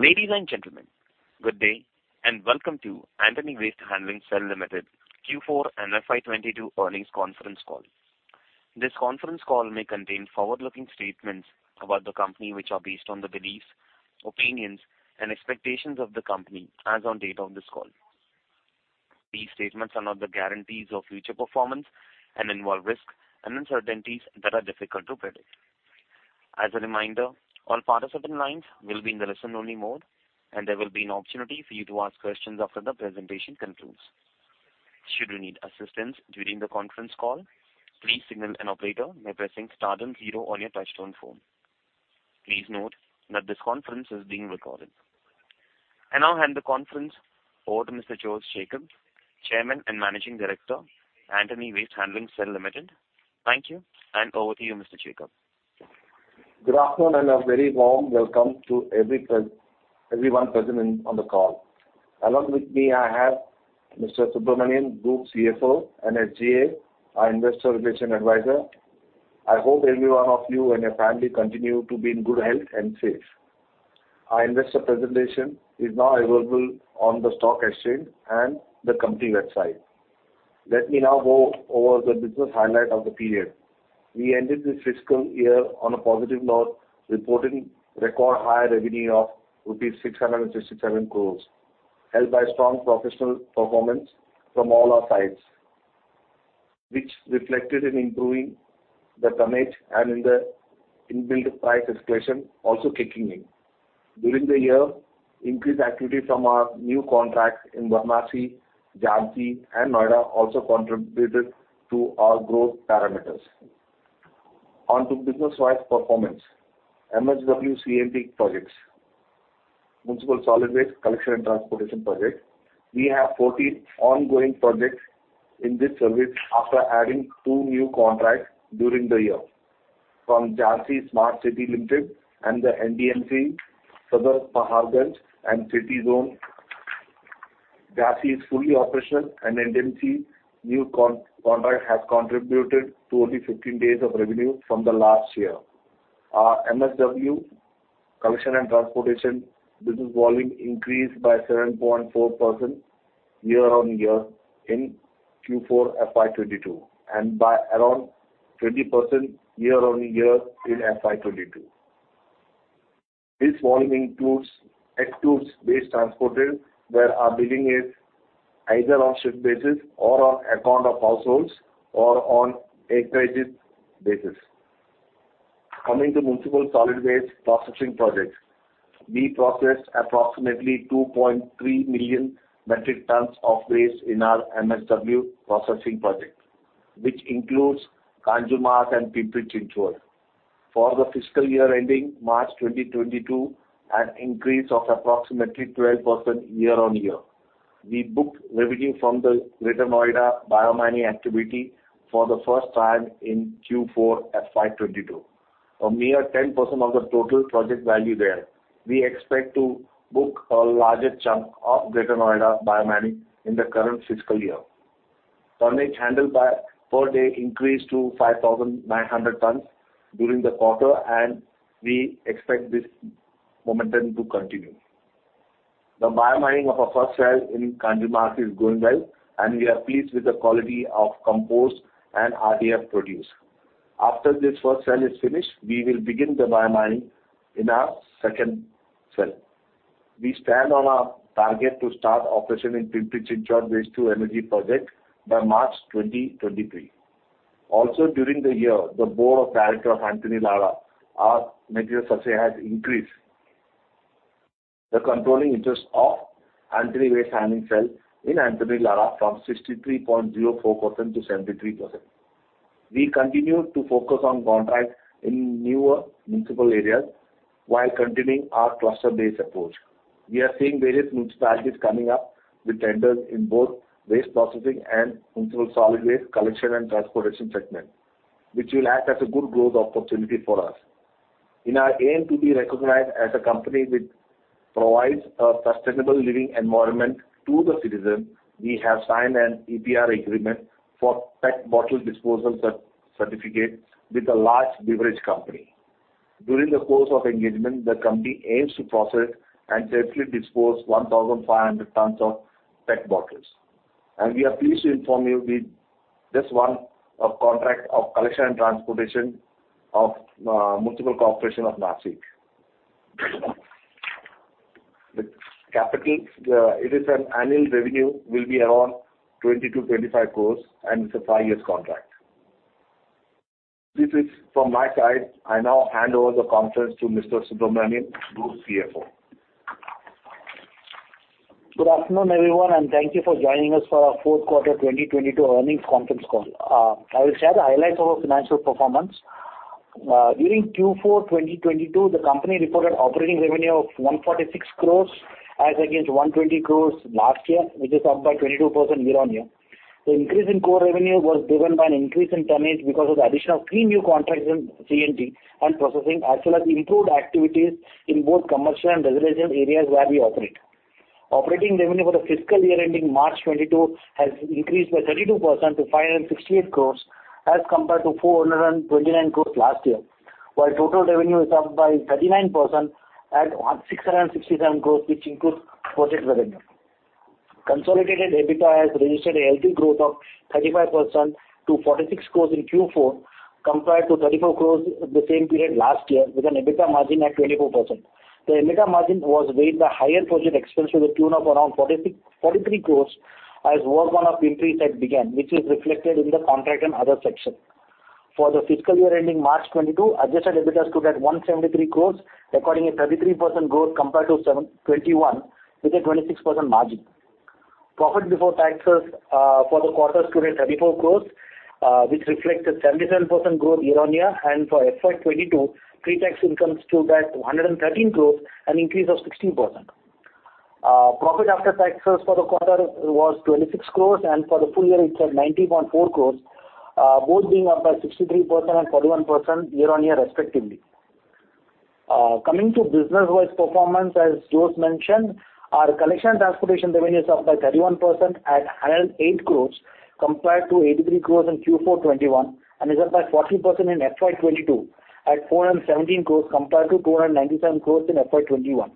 Ladies and gentlemen, good day, and welcome to Antony Waste Handling Cell Limited Q4 and FY 2022 earnings conference call. This conference call may contain forward-looking statements about the company which are based on the beliefs, opinions and expectations of the company as on date of this call. These statements are not the guarantees of future performance and involve risks and uncertainties that are difficult to predict. As a reminder, all participant lines will be in the listen-only mode, and there will be an opportunity for you to ask questions after the presentation concludes. Should you need assistance during the conference call, please signal an operator by pressing star then zero on your touchtone phone. Please note that this conference is being recorded. I now hand the conference over to Mr. Jose Jacob, Chairman and Managing Director, Antony Waste Handling Cell Limited. Thank you, and over to you, Mr. Jacob. Good afternoon, and a very warm welcome to everyone present on the call. Along with me, I have Mr. Subramanian, Group CFO, and SGA, our Investor Relations Advisor. I hope every one of you and your family continue to be in good health and safe. Our investor presentation is now available on the stock exchange and the company website. Let me now go over the business highlight of the period. We ended this fiscal year on a positive note, reporting record high revenue of rupees 667 crore, helped by strong professional performance from all our sites, which reflected in improving the tonnage and in the inbuilt price escalation also kicking in. During the year, increased activity from our new contracts in Varanasi, Jhansi, and Noida also contributed to our growth parameters. On to business-wise performance MSW C&T projects, Municipal Solid Waste Collection and Transportation project. We have 14 ongoing projects in this service after adding two new contracts during the year from Jhansi Smart City Limited and the NDMC, Sadar Paharganj and City Zone. Jhansi is fully operational, and NDMC new contract has contributed to only 15 days of revenue from the last year. Our MSW collection and transportation business volume increased by 7.4% year-on-year in Q4 FY 2022, and by around 20% year-on-year in FY 2022. This volume includes excludes waste transported, where our billing is either on shift basis or on account of households or on acreage basis. Coming to municipal solid waste processing projects. We processed approximately 2.3 million metric tons of waste in our MSW processing project, which includes Kanjurmarg and Pimpri-Chinchwad. For the fiscal year ending March 2022, an increase of approximately 12% year-on-year. We booked revenue from the Greater Noida biomining activity for the first time in Q4 FY 2022, a mere 10% of the total project value there. We expect to book a larger chunk of Greater Noida biomining in the current fiscal year. Tonnage handled per day increased to 5,900 tons during the quarter, and we expect this momentum to continue. The biomining of our first cell in Kanjurmarg is going well, and we are pleased with the quality of compost and RDF produced. After this first cell is finished, we will begin the biomining in our second cell. We stand on our target to start operation in Pimpri-Chinchwad Waste-to-Energy project by March 2023. Also, during the year, the board of director of Antony Lara, our material subsidiary, has increased the controlling interest of Antony Waste Handling Cell in Antony Lara from 63.04% to 73%. We continue to focus on contracts in newer municipal areas while continuing our cluster-based approach. We are seeing various municipalities coming up with tenders in both waste processing and municipal solid waste collection and transportation segment, which will act as a good growth opportunity for us. In our aim to be recognized as a company which provides a sustainable living environment to the citizens, we have signed an EPR agreement for PET bottle disposal certificate with a large beverage company. During the course of engagement, the company aims to process and safely dispose 1,500 tons of PET bottles. We are pleased to inform you we just won a contract of collection and transportation of Nashik Municipal Corporation. The contract, it is an annual revenue, will be around 20 crore-25 crore, and it's a 5-year contract. This is from my side. I now hand over the conference to Mr. Subramanian, Group CFO. Good afternoon, everyone, and thank you for joining us for our fourth quarter 2022 earnings conference call. I will share the highlights of our financial performance. During Q4 2022, the company reported operating revenue of 146 crore as against 120 crore last year, which is up by 22% year-on-year. The increase in core revenue was driven by an increase in tonnage because of the addition of three new contracts in C&T and processing, as well as improved activities in both commercial and residential areas where we operate. Operating revenue for the fiscal year ending March 2022 has increased by 32% to 568 crore as compared to 429 crore last year. While total revenue is up by 39% at 667 crore, which includes project revenue. Consolidated EBITDA has registered a healthy growth of 35% to 46 crore in Q4, compared to 34 crore the same period last year, with an EBITDA margin at 24%. The EBITDA margin was weighed by higher project expense to the tune of around 43 crore as work on Pimpri-Chinchwad WTE began, which is reflected in the contract and other section. For the fiscal year ending March 2022, adjusted EBITDA stood at 173 crore, recording a 33% growth compared to 121, with a 26% margin. Profit before taxes for the quarter stood at 34 crore, which reflects a 77% growth year-on-year and for FY 2022, pre-tax income stood at 113 crore, an increase of 16%. Profit after taxes for the quarter was 26 crore and for the full year it's at 90.4 crore, both being up by 63% and 41% year-on-year respectively. Coming to business-wise performance, as Jose mentioned, our collection and transportation revenues is up by 31% at 108 crore compared to 83 crore in Q4 2021 and is up by 40% in FY 2022 at 417 crore compared to 297 crore in FY 2021.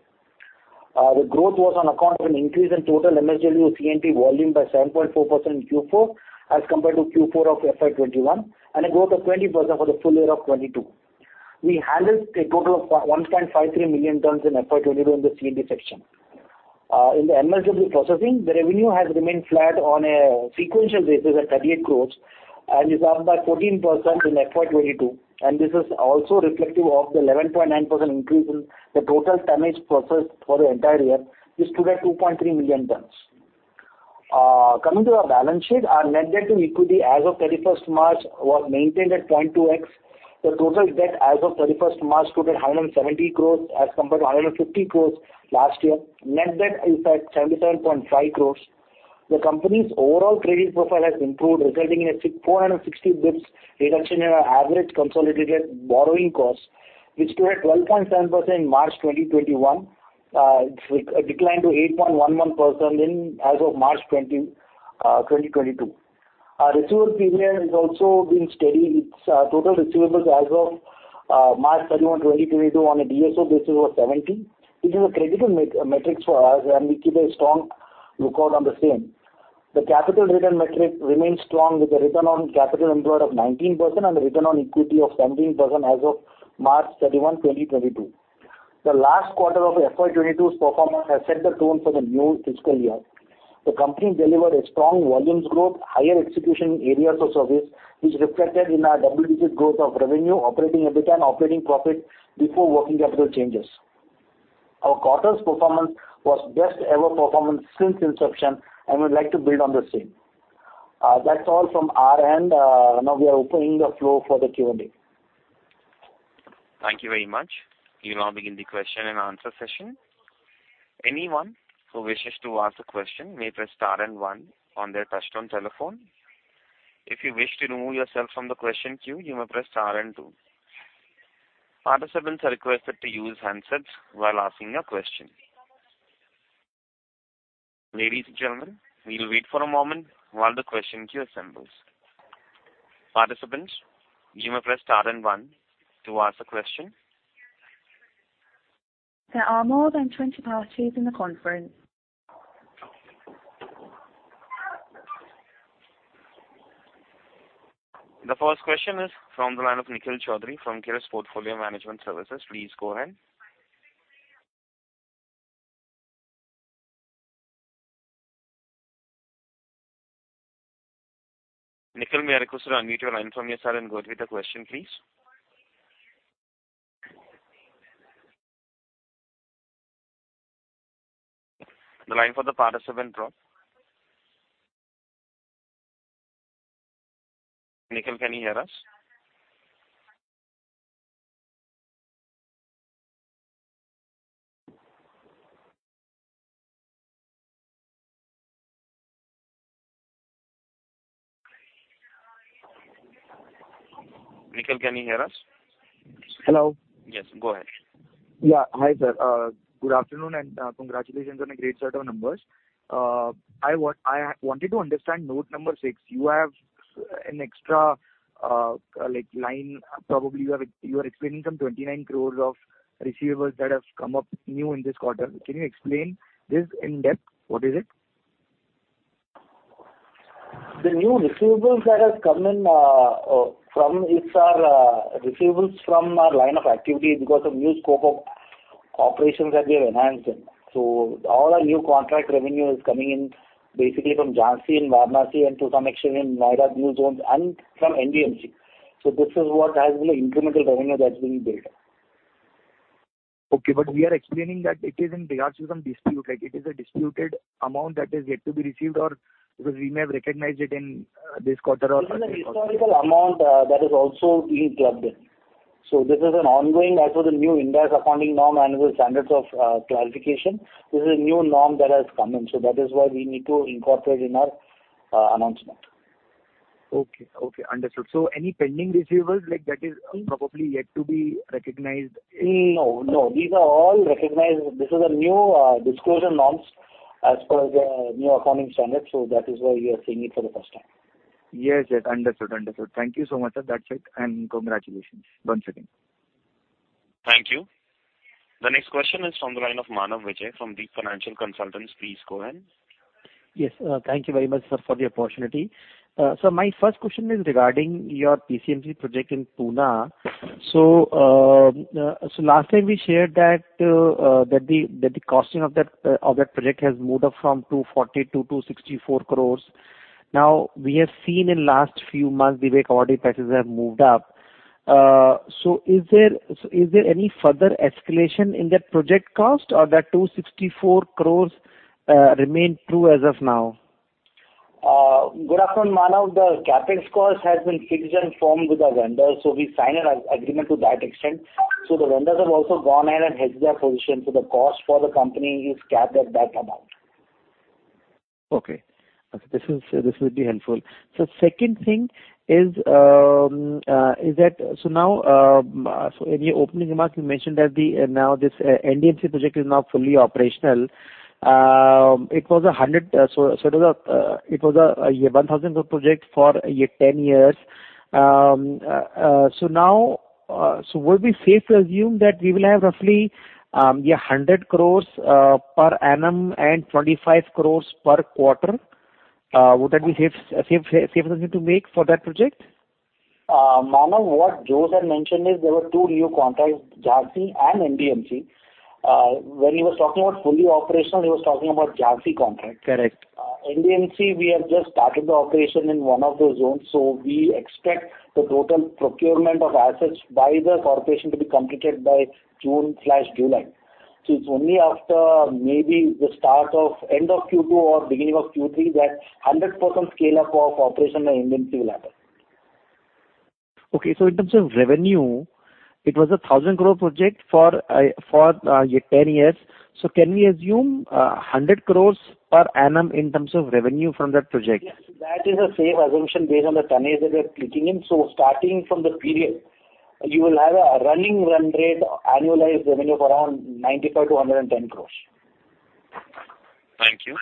The growth was on account of an increase in total MSW or C&T volume by 7.4% in Q4 as compared to Q4 of FY 2021, and a growth of 20% for the full year of 2022. We handled a total of 1.53 million tons in FY 2022 in the C&T section. In the MSW processing, the revenue has remained flat on a sequential basis at 38 crore and is up by 14% in FY 2022, and this is also reflective of the 11.9% increase in the total tonnage processed for the entire year, which stood at 2.3 million tons. Coming to our balance sheet, our net debt-to-equity as of 31st March was maintained at 0.2x. The total debt as of 31st March stood at 170 crore as compared to 150 crore last year. Net debt is at 77.5 crore. The company's overall credit profile has improved, resulting in a 460 basis points reduction in our average consolidated borrowing costs, which stood at 12.7% March 2021, it declined to 8.11% in as of March 2022. Our receivable period has also been steady. It's total receivables as of March 31, 2022 on a DSO basis was 70. It is a critical metrics for us, and we keep a strong lookout on the same. The capital return metric remains strong with a return on capital employed of 19% and a return on equity of 17% as of March 31, 2022. The last quarter of FY 2022's performance has set the tone for the new fiscal year. The company delivered a strong volumes growth, higher execution in areas of service, which reflected in our double-digit growth of revenue, operating EBITDA and operating profit before working capital changes. Our quarter's performance was best ever performance since inception, and we'd like to build on the same. That's all from our end. Now we are opening the floor for the Q&A. Thank you very much. We'll now begin the question and answer session. Anyone who wishes to ask a question may press star and one on their touch-tone telephone. If you wish to remove yourself from the question queue, you may press star and two. Participants are requested to use handsets while asking a question. Ladies and gentlemen, we will wait for a moment while the question queue assembles. Participants, you may press star and one to ask a question. There are more than 20 parties in the conference. The first question is from the line of Nikhil Chaudhary from Kirus Portfolio Management Services. Please go ahead. Nikhil, may I request you to unmute your line from your side and go ahead with the question, please. The line for the participant dropped. Nikhil, can you hear us? Nikhil, can you hear us? Hello. Yes, go ahead. Yeah. Hi, sir. Good afternoon and congratulations on a great set of numbers. I wanted to understand note number six. You have an extra line, probably you are explaining some 29 crore of receivables that have come up new in this quarter. Can you explain this in depth? What is it? The new receivables that has come in, from these are, receivables from our line of activity because of new scope of operations that we have enhanced in. All our new contract revenue is coming in basically from Jhansi and Varanasi and to some extent in Noida new zones and from NDMC. This is what has been the incremental revenue that's been built. Okay, we are explaining that it is in regards to some dispute, like it is a disputed amount that is yet to be received or because we may have recognized it in this quarter or. This is a historical amount that is also being clubbed in. This is an ongoing as per the new Ind AS accounting norm and the standards of clarification. This is a new norm that has come in. That is why we need to incorporate in our announcement. Okay. Okay, understood. Any pending receivables like that is probably yet to be recognized? No, no. These are all recognized. This is a new disclosure norms as per the new accounting standards. That is why you are seeing it for the first time. Yes. Understood. Thank you so much, sir. That's it, and congratulations once again. Thank you. The next question is from the line of Manav Vijay from Deep Financial Consultants. Please go ahead. Yes. Thank you very much, sir, for the opportunity. My first question is regarding your PCMC project in Pune. Last time we shared that the costing of that project has moved up from 240 crore to 264 crore. Now, we have seen in last few months the way commodity prices have moved up. Is there any further escalation in that project cost or that 264 crore remain true as of now? Good afternoon, Manav. The CapEx cost has been fixed and firmed with the vendors, so we signed an agreement to that extent. The vendors have also gone ahead and hedged their position, so the cost for the company is capped at that amount. This will be helpful. Second thing is that in your opening remarks you mentioned that this NDMC project is now fully operational. It was a 1,000 crore project for 10 years. Would we safely assume that we will have roughly 100 crore per annum and 25 crore per quarter? Would that be a safe assumption to make for that project? Manav, what Jose had mentioned is there were two new contracts, JRC and NDMC. When he was talking about fully operational, he was talking about JRC contract. Correct. NDMC, we have just started the operation in one of the zones, so we expect the total procurement of assets by the corporation to be completed by June' July. It's only after maybe the start or end of Q2 or beginning of Q3 that 100% scale-up of operation by NDMC will happen. In terms of revenue, it was a 1,000 crore project for 10 years. Can we assume 100 crore per annum in terms of revenue from that project? Yes. That is a safe assumption based on the tonnage that we are putting in. Starting from the period, you will have a running run rate annualized revenue of around 95 crore-110 crore. Thank you.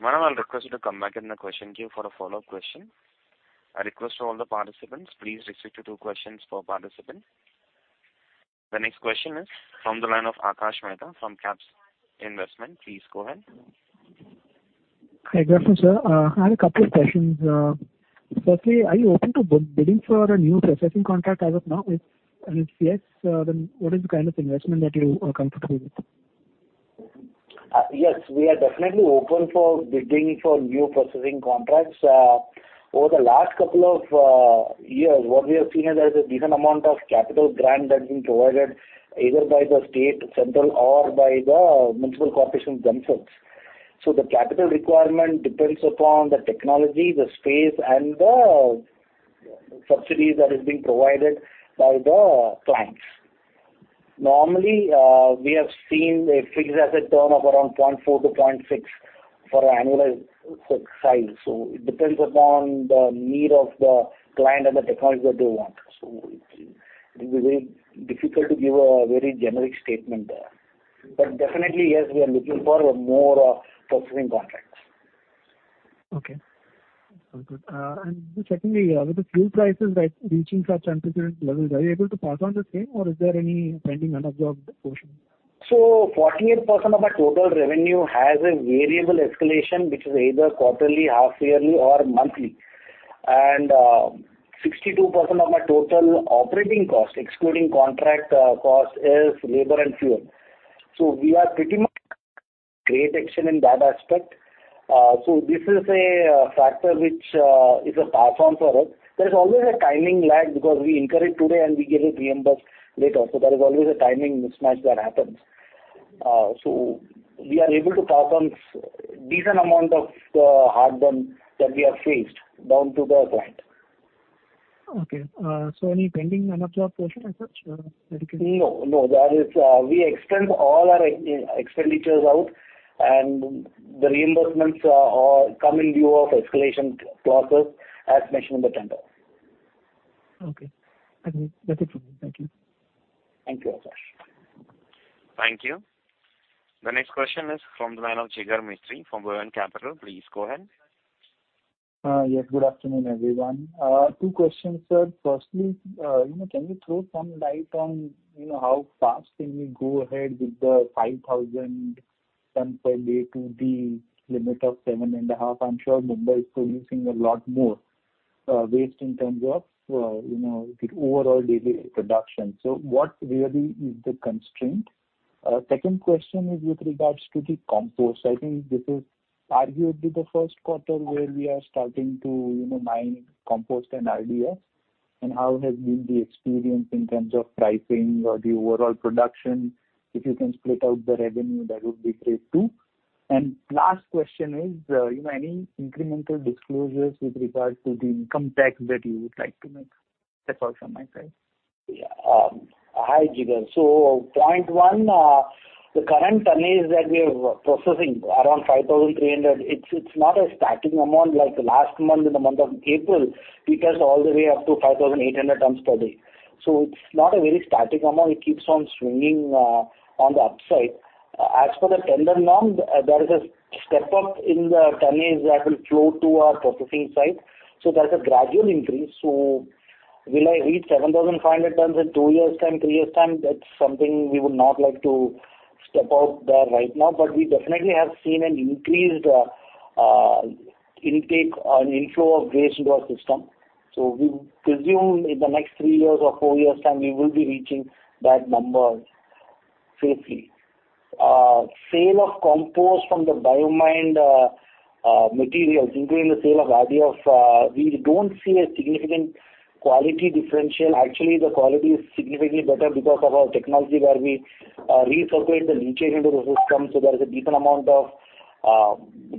Manav, I'll request you to come back in the question queue for a follow-up question. I request all the participants, please restrict to two questions per participant. The next question is from the line of Akash Mehta from CAPS Investment. Please go ahead. Hi, good afternoon, sir. I have a couple of questions. Firstly, are you open to bidding for a new processing contract as of now? If yes, then what is the kind of investment that you are comfortable with? Yes, we are definitely open for bidding for new processing contracts. Over the last couple of years, what we have seen is there's a decent amount of capital grant that's been provided either by the state, central, or by the municipal corporations themselves. The capital requirement depends upon the technology, the space, and the subsidies that is being provided by the clients. Normally, we have seen a fixed asset term of around 0.4-0.6 for annualized size. It depends upon the need of the client and the technology that they want. It will be very difficult to give a very generic statement there. Definitely, yes, we are looking for more processing contracts. Okay. All good. Secondly, with the fuel prices, like, reaching such unprecedented levels, are you able to pass on the same or is there any pending unabsorbed portion? 48% of our total revenue has a variable escalation, which is either quarterly, half yearly, or monthly. 62% of our total operating cost, excluding contract cost, is labor and fuel. We are pretty much hedged in that aspect. This is a factor which is a pass-on for us. There's always a timing lag because we incur it today and we get it reimbursed later. There is always a timing mismatch that happens. We are able to pass on a decent amount of the headwinds that we have faced down to the client. Okay. Any pending unabsorbed portion as such, that you can. No, no. That is, we extend all our expenditures out and the reimbursements are all come in lieu of escalation clauses as mentioned in the tender. Okay. Agreed. That's it from me. Thank you. Thank you, Akash. Thank you. The next question is from the line of Jigar Mistry from Buoyant Capital. Please go ahead. Yes. Good afternoon, everyone. Two questions, sir. First, you know, can you throw some light on, you know, how fast can you go ahead with the 5,000 tons per day to the limit of 7.5? I'm sure Mumbai is producing a lot more, you know, waste in terms of, you know, the overall daily production. So what really is the constraint? Second question is with regards to the compost. I think this is arguably the first quarter where we are starting to, you know, mine compost and RDF, and how has been the experience in terms of pricing or the overall production? If you can split out the revenue, that would be great too. Last question is, you know, any incremental disclosures with regards to the CapEx that you would like to make? That's also my friend. Yeah. Hi, Jigar. Point one, the current tonnage that we are processing around 5,300 tons, it's not a static amount like last month, in the month of April, it was all the way up to 5,800 tons per day. It's not a very static amount. It keeps on swinging on the upside. As for the tender norm, there is a step up in the tonnage that will flow to our processing site. There's a gradual increase. Will I reach 7,500 tons in 2 years time, 3 years time? That's something we would not like to step out there right now, but we definitely have seen an increased intake or an inflow of waste into our system. We presume in the next 3 years or 4 years time, we will be reaching that number safely. Sale of compost from the BioMine materials, including the sale of RDF, we don't see a significant quality differential. Actually, the quality is significantly better because of our technology where we recirculate the leachate into the system. There is a decent amount of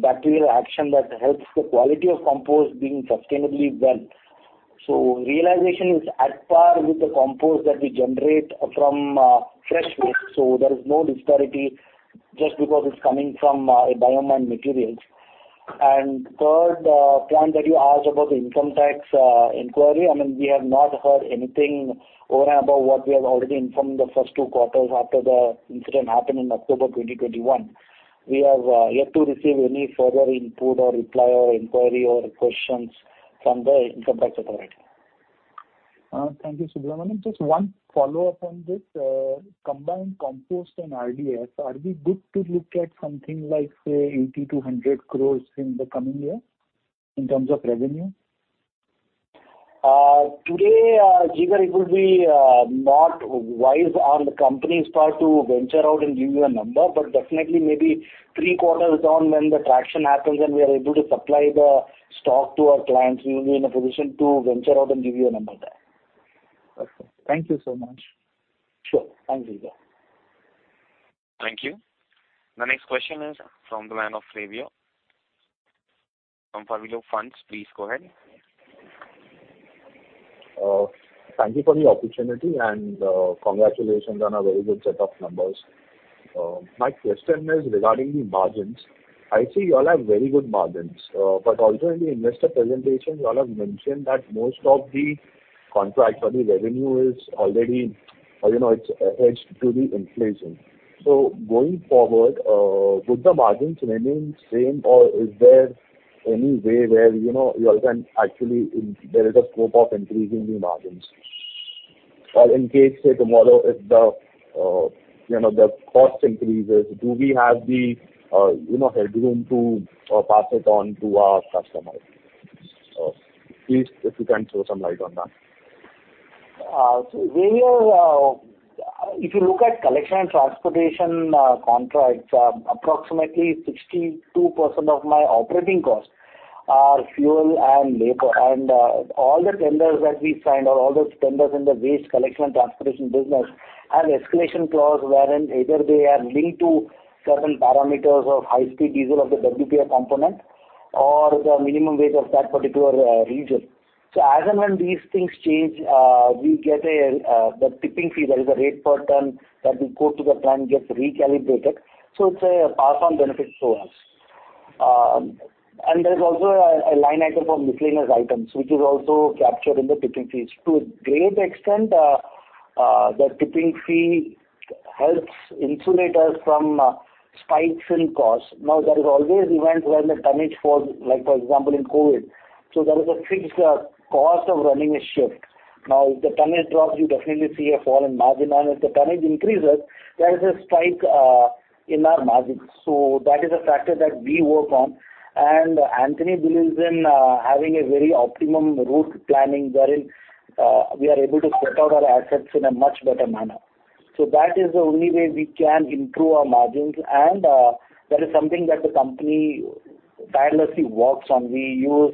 bacterial action that helps the quality of compost being sustainably well. Realization is at par with the compost that we generate from fresh waste. There is no disparity just because it's coming from a BioMine materials. Third point that you asked about the income tax inquiry, I mean, we have not heard anything over and above what we have already informed the first two quarters after the incident happened in October 2021. We have yet to receive any further input or reply or inquiry or questions from the income tax authority. Thank you, Subramanian. Just one follow-up on this. Combined compost and RDF, are we good to look at something like, say, 80 crore-100 crore in the coming year in terms of revenue? Today, Jigar, it would be not wise on the company's part to venture out and give you a number, but definitely maybe three quarters on when the traction happens and we are able to supply the stock to our clients, we will be in a position to venture out and give you a number there. Okay. Thank you so much. Sure. Thanks, Jigar. Thank you. The next question is from the line of Flavio from Favilo Funds. Please go ahead. Thank you for the opportunity and, congratulations on a very good set of numbers. My question is regarding the margins. I see you all have very good margins. But also in the investor presentation, you all have mentioned that most of the contracts or the revenue is already, you know, it's hedged to the inflation. So going forward, would the margins remain same, or is there any way where, you know, you all can actually there is a scope of increasing the margins? Or in case, say tomorrow, if the, you know, the cost increases, do we have the, you know, headroom to, pass it on to our customers? Please, if you can throw some light on that. If you look at collection and transportation contracts, approximately 62% of my operating costs are fuel and labor. All the tenders that we signed or all those tenders in the waste collection and transportation business have escalation clause wherein either they are linked to certain parameters of high-speed diesel of the WPI component or the minimum wage of that particular region. As and when these things change, we get the tipping fee. There is a rate per ton that we quote to the client gets recalibrated. It's a pass on benefit to us. There's also a line item for miscellaneous items, which is also captured in the tipping fees. To a great extent, the tipping fee helps insulate us from spikes in costs. Now, there is always events where the tonnage falls, like for example in COVID. There is a fixed cost of running a shift. Now, if the tonnage drops, you definitely see a fall in margin, and if the tonnage increases, there is a spike in our margins. That is a factor that we work on. Antony believes in having a very optimum route planning wherein we are able to split out our assets in a much better manner. That is the only way we can improve our margins. That is something that the company tirelessly works on. We use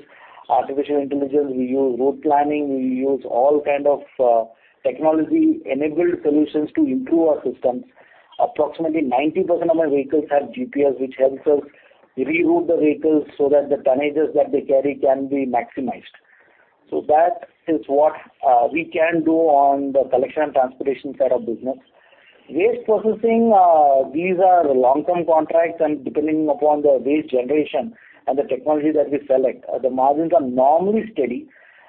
artificial intelligence, we use route planning, we use all kind of technology-enabled solutions to improve our systems. Approximately 90% of our vehicles have GPS, which helps us reroute the vehicles so that the tonnages that they carry can be maximized. That is what we can do on the collection and transportation side of business. Waste processing, these are long-term contracts and depending upon the waste generation and the technology that we select, the margins are normally steady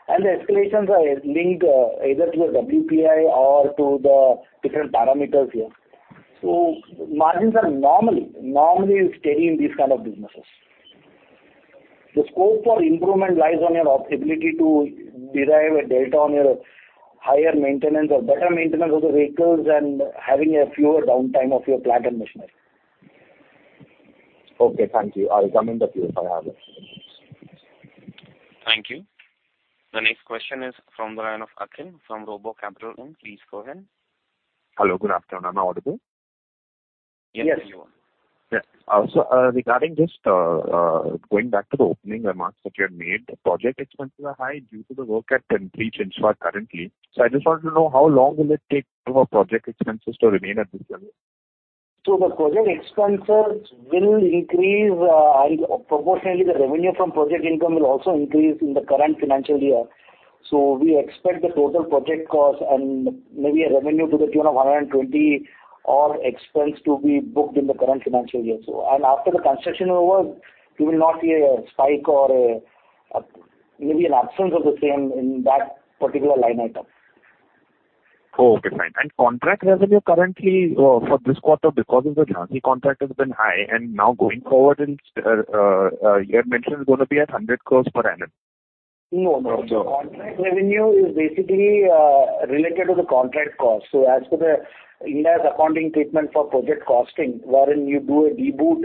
and the escalations are linked either to a WPI or to the different parameters here. Margins are normally steady in these kind of businesses. The scope for improvement lies on your ability to derive a delta on your higher maintenance or better maintenance of the vehicles and having a fewer downtime of your plant and machinery. Okay, thank you. I'll come in the queue if I have it. Thank you. The next question is from the line of Akhil from RoboCapital. Please go ahead. Hello, good afternoon. Am I audible? Yes, you are. Regarding just going back to the opening remarks that you had made, the project expenses are high due to the work at Pimpri-Chinchwad currently. I just wanted to know how long will it take for project expenses to remain at this level? The project expenses will increase, and proportionately the revenue from project income will also increase in the current financial year. We expect the total project cost and maybe a revenue to the tune of 120 or expense to be booked in the current financial year. After the construction awards, you will not see a spike or maybe an absence of the same in that particular line item. Oh, okay. Fine. Contract revenue currently for this quarter because of the Jhansi contract has been high and now going forward, you had mentioned it's gonna be at 100 crore per annum. No. Revenue is basically related to the contract cost. As to the Indian accounting treatment for project costing, wherein you do a DBOT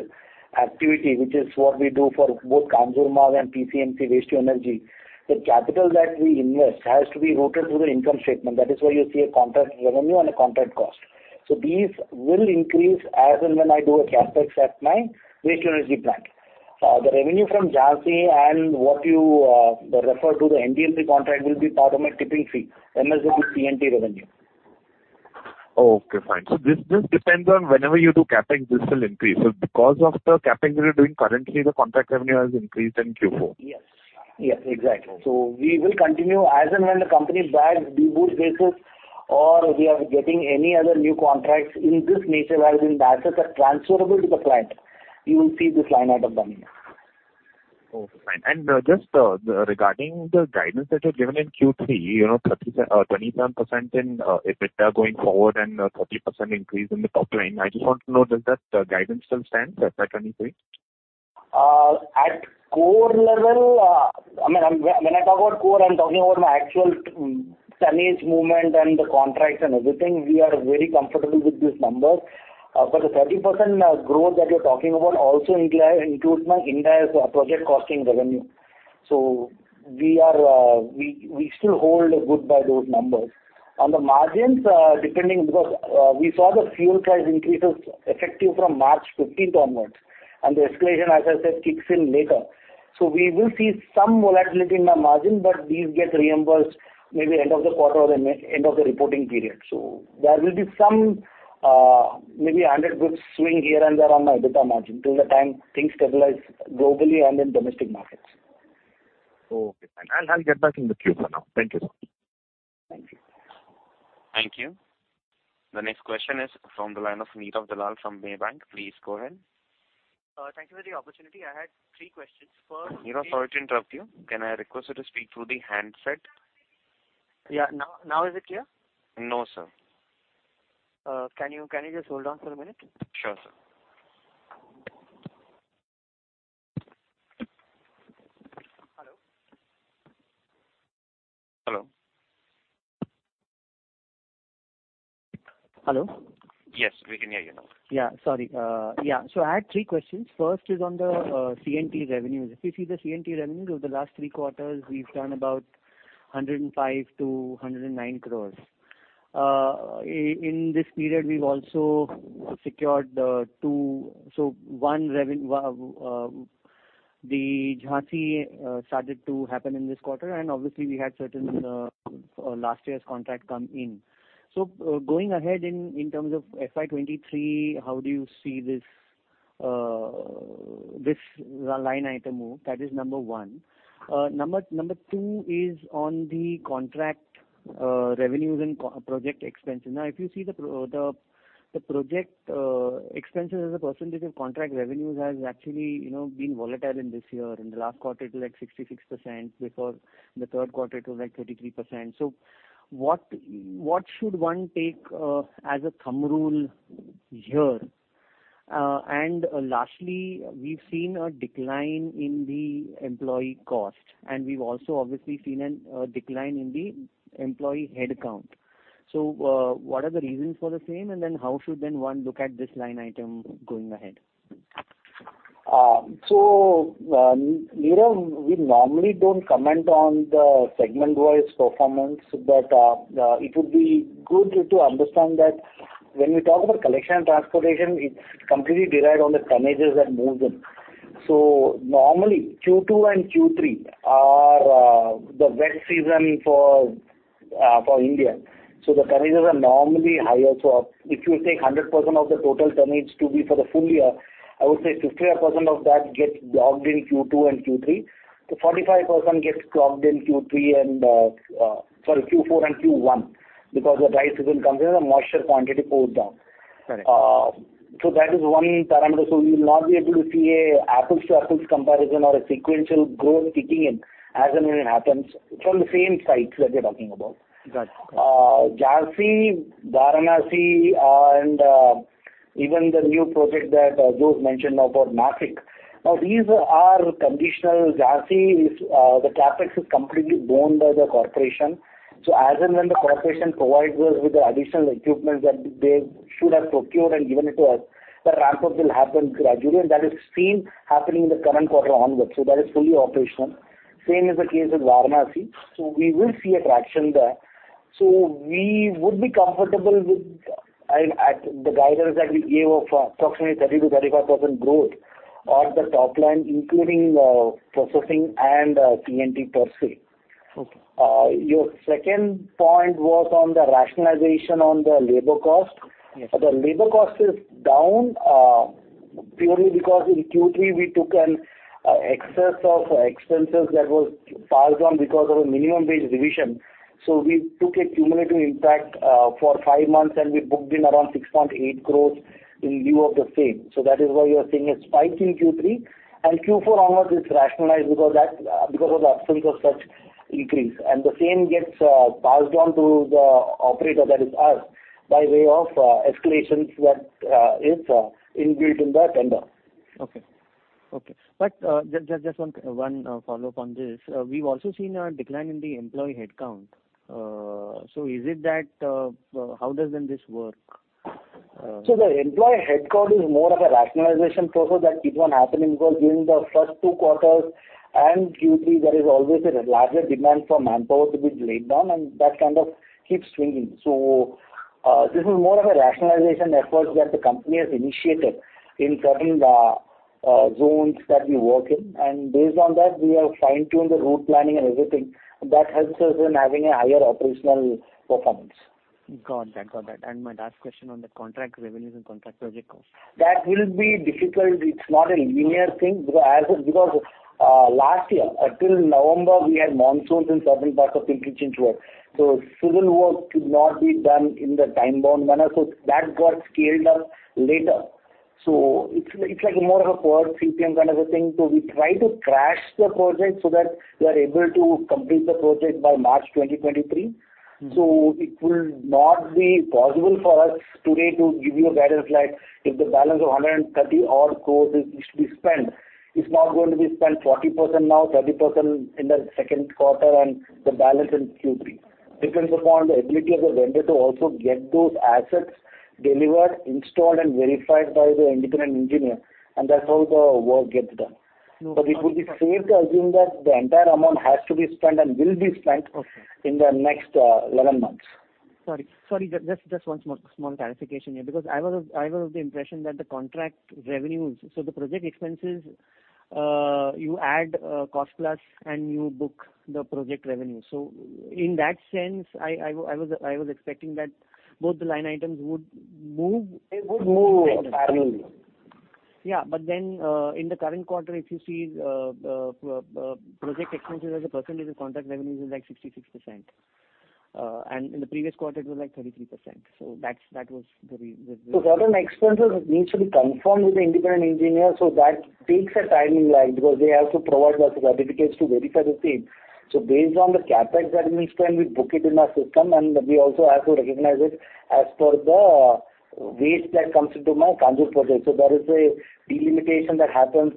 activity, which is what we do for both Kanjur Marg and PCMC Waste to Energy. The capital that we invest has to be routed through the income statement. That is why you see a contract revenue and a contract cost. These will increase as and when I do a CapEx at my waste to energy plant. The revenue from Jhansi and what you refer to the NDMC contract will be part of my tipping fee, MSW C&T revenue. Oh, okay. Fine. This depends on whenever you do CapEx, this will increase. Because of the CapEx you are doing currently, the contract revenue has increased in Q4. Yes. Yes. Exactly. We will continue as and when the company bags DBOT basis or we are getting any other new contracts in this nature as in that are transferable to the client, you will see this line item coming in. Oh, fine. Just regarding the guidance that you've given in Q3, you know, 27% in EBITDA going forward and a 30% increase in the top line. I just want to know, does that guidance still stand, at any rate? At core level, I mean, when I talk about core, I'm talking about my actual tonnage movement and the contracts and everything. We are very comfortable with this number. The 30% growth that you're talking about also includes my India's project costing revenue. We still hold good by those numbers. On the margins, depending because we saw the fuel price increases effective from March 15 onwards, and the escalation, as I said, kicks in later. We will see some volatility in my margin, but these get reimbursed maybe end of the quarter or end of the reporting period. There will be some maybe under good swing here and there on my EBITDA margin till the time things stabilize globally and in domestic markets. Okay, fine. I'll get back in the queue for now. Thank you, sir. Thank you. Thank you. The next question is from the line of Neerav Dalal from Maybank. Please go ahead. Thank you for the opportunity. I had three questions. First. Neerav, sorry to interrupt you. Can I request you to speak through the handset? Yeah. Now is it clear? No, sir. Can you just hold on for a minute? Sure, sir. Hello? Hello. Hello. Yes, we can hear you now. Yeah, sorry. I had three questions. First is on the C&T revenues. If you see the C&T revenue over the last three quarters, we've done about 105 crore-109 crore. In this period, we've also secured two. So the Jhansi started to happen in this quarter, and obviously, we had certain last year's contract come in. Going ahead in terms of FY 2023, how do you see this line item move? That is number one. Number two is on the contract revenues and project expenses. Now, if you see the project expenses as a percentage of contract revenues has actually, you know, been volatile in this year. In the last quarter, it was at 66%. Before the third quarter, it was at 33%. What should one take as a thumb rule here? Lastly, we've seen a decline in the employee cost, and we've also obviously seen a decline in the employee headcount. What are the reasons for the same? How should one look at this line item going ahead? Neerav, we normally don't comment on the segment-wise performance, but it would be good to understand that when we talk about collection and transportation, it's completely derived on the tonnages that move in. Normally, Q2 and Q3 are the wet season for India. The tonnages are normally higher. If you take 100% of the total tonnage to be for the full year, I would say 55% of that gets logged in Q2 and Q3. The 45% gets clocked in Q4 and Q1, because the dry season comes in and moisture quantity goes down. Correct. That is one parameter. You will not be able to see an apples to apples comparison or a sequential growth kicking in as and when it happens from the same sites that we are talking about. Got it. Okay. Jhansi, Varanasi, and even the new project that Jose mentioned about Nashik. Now, these are conditional. Jhansi is, the CapEx is completely borne by the corporation. As and when the corporation provides us with the additional equipment that they should have procured and given it to us, the ramp-up will happen gradually, and that is seen happening in the current quarter onwards. That is fully operational. Same is the case with Varanasi. We will see a traction there. We would be comfortable with, and at the guidance that we gave of approximately 30%-35% growth on the top line, including processing and C&T per se. Okay. Your second point was on the rationalization on the labor cost. Yes. The labor cost is down, purely because in Q3 we took an excess of expenses that was passed on because of a minimum wage revision. We took a cumulative impact for 5 months, and we booked in around 6.8 crore in lieu of the same. That is why you are seeing a spike in Q3. Q4 onwards, it's rationalized because of the absence of such increase. The same gets passed on to the operator, that is us, by way of escalations that is inbuilt in the tender. Okay. Just one follow-up on this. We've also seen a decline in the employee headcount. Is it that how does then this work? The employee headcount is more of a rationalization process that keeps on happening, because during the first two quarters and Q3, there is always a larger demand for manpower to be laid down, and that kind of keeps swinging. This is more of a rationalization effort that the company has initiated in certain zones that we work in. Based on that, we have fine-tuned the route planning and everything that helps us in having a higher operational performance. Got that. Got that. My last question on the contract revenues and contract project costs. That will be difficult. It's not a linear thing. Because last year until November, we had monsoons in certain parts of Pimpri-Chinchwad. Civil work could not be done in the time-bound manner, so that got scaled up later. It's like more of a first season kind of a thing. We try to crash the project so that we are able to complete the project by March 2023. Mm-hmm. It will not be possible for us today to give you a guidance like if the balance of 130 or so is to be spent. It's not going to be spent 40% now, 30% in the second quarter and the balance in Q3. Depends upon the ability of the vendor to also get those assets delivered, installed, and verified by the independent engineer, and that's how the work gets done. It would be safe to assume that the entire amount has to be spent and will be spent in the next 11 months. Sorry. Just one more small clarification here, because I was of the impression that the contract revenues, so the project expenses, you add a cost plus and you book the project revenue. In that sense, I was expecting that both the line items would move. It would move in parallel. In the current quarter, if you see, project expenses as a percentage of contract revenues is like 66%. In the previous quarter, it was like 33%. That was the. Certain expenses needs to be confirmed with the independent engineer, that takes a time lag because they have to provide us the certificates to verify the same. Based on the CapEx that we spend, we book it in our system, and we also have to recognize it as per the waste that comes into my Kanjur Marg project. There is a delimitation that happens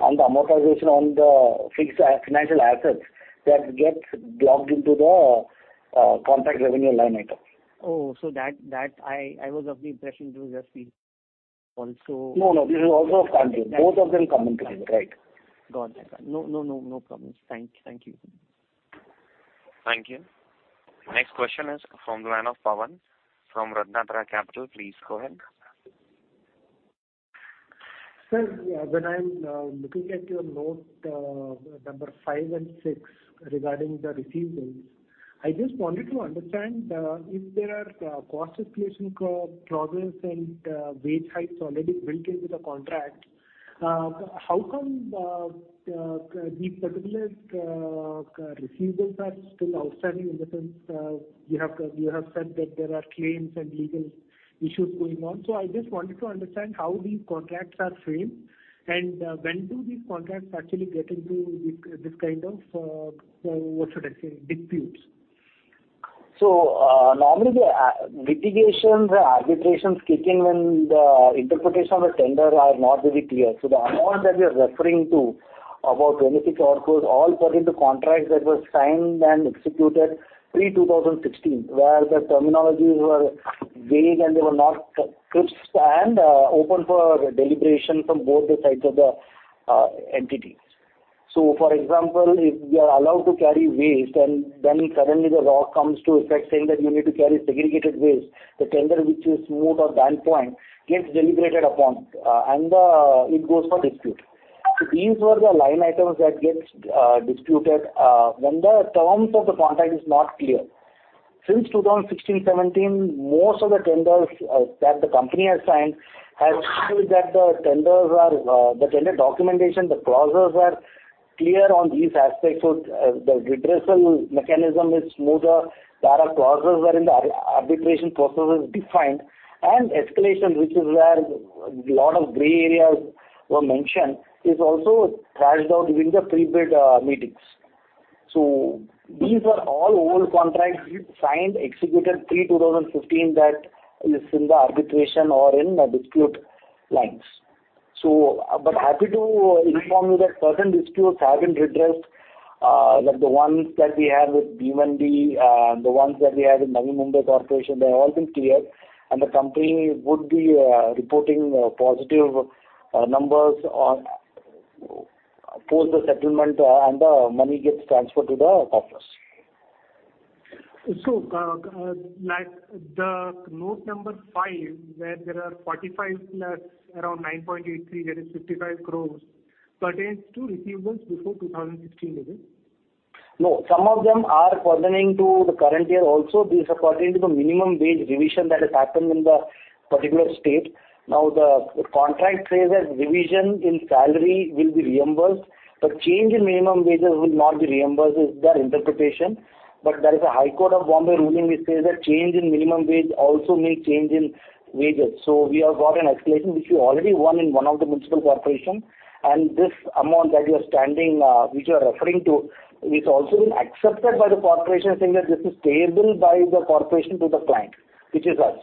on the amortization on the fixed financial assets that gets booked into the contract revenue line item. I was of the impression it was just the also. No, no. This is also Kanjur. Both of them come into it. Right. Got it. No problems. Thank you. Thank you. Next question is from the line of Pavan from RatnaTraya Capital. Please go ahead. Sir, when I'm looking at your note, numbers five and six regarding the receivables, I just wanted to understand if there are cost escalation provisions and wage hikes already built into the contract, how come these particular receivables are still outstanding? In the sense, you have said that there are claims and legal issues going on. I just wanted to understand how these contracts are framed, and when do these contracts actually get into this kind of, what should I say, disputes? Normally the litigations, the arbitrations kick in when the interpretation of the tender are not very clear. The amount that you're referring to, about INR 26 crore, all fall into contracts that were signed and executed pre-2016, where the terminologies were vague and they were not crisp and open for deliberation from both the sides of the entities. For example, if we are allowed to carry waste and then suddenly the law comes to effect saying that you need to carry segregated waste, the tender which is smooth or done point gets deliberated upon, and it goes for dispute. These were the line items that gets disputed when the terms of the contract is not clear. Since 2016, 2017, most of the tenders that the company has signed has showed that the tenders are the tender documentation, the clauses are clear on these aspects. The redressal mechanism is smoother. There are clauses wherein the arbitration process is defined and escalation, which is where a lot of gray areas were mentioned, is also thrashed out during the pre-bid meetings. These are all old contracts signed, executed pre 2015 that is in the arbitration or in dispute lines. Happy to inform you that certain disputes have been redressed, like the ones that we have with BMC, the ones that we have with Navi Mumbai Municipal Corporation, they have all been cleared, and the company would be reporting positive numbers post the settlement, and the money gets transferred to the coffers. Like the note number five, where there are 45+ crore around 9.83 crore, that is 55 crore, pertains to receivables before 2016, is it? No. Some of them are pertaining to the current year also. These are pertaining to the minimum wage revision that has happened in the particular state. Now, the contract says that revision in salary will be reimbursed, but change in minimum wages will not be reimbursed, is their interpretation. There is a High Court of Bombay ruling which says that change in minimum wage also means change in wages. We have got an escalation, which we already won in one of the municipal corporation. This amount which you are referring to, it's also been accepted by the corporation saying that this is payable by the corporation to the client, which is us.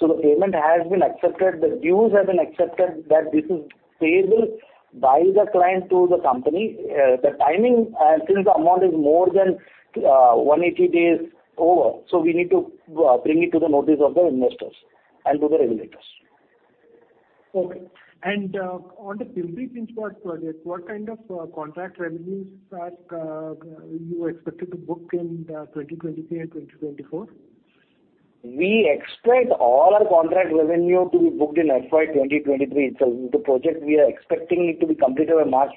The payment has been accepted. The dues have been accepted that this is payable by the client to the company. The timing, since the amount is more than 180 days over, so we need to bring it to the notice of the investors and to the regulators. Okay. On the Pimpri-Chinchwad project, what kind of contract revenues are you expected to book in 2023 and 2024? We expect all our contract revenue to be booked in FY 2023. The project we are expecting it to be completed by March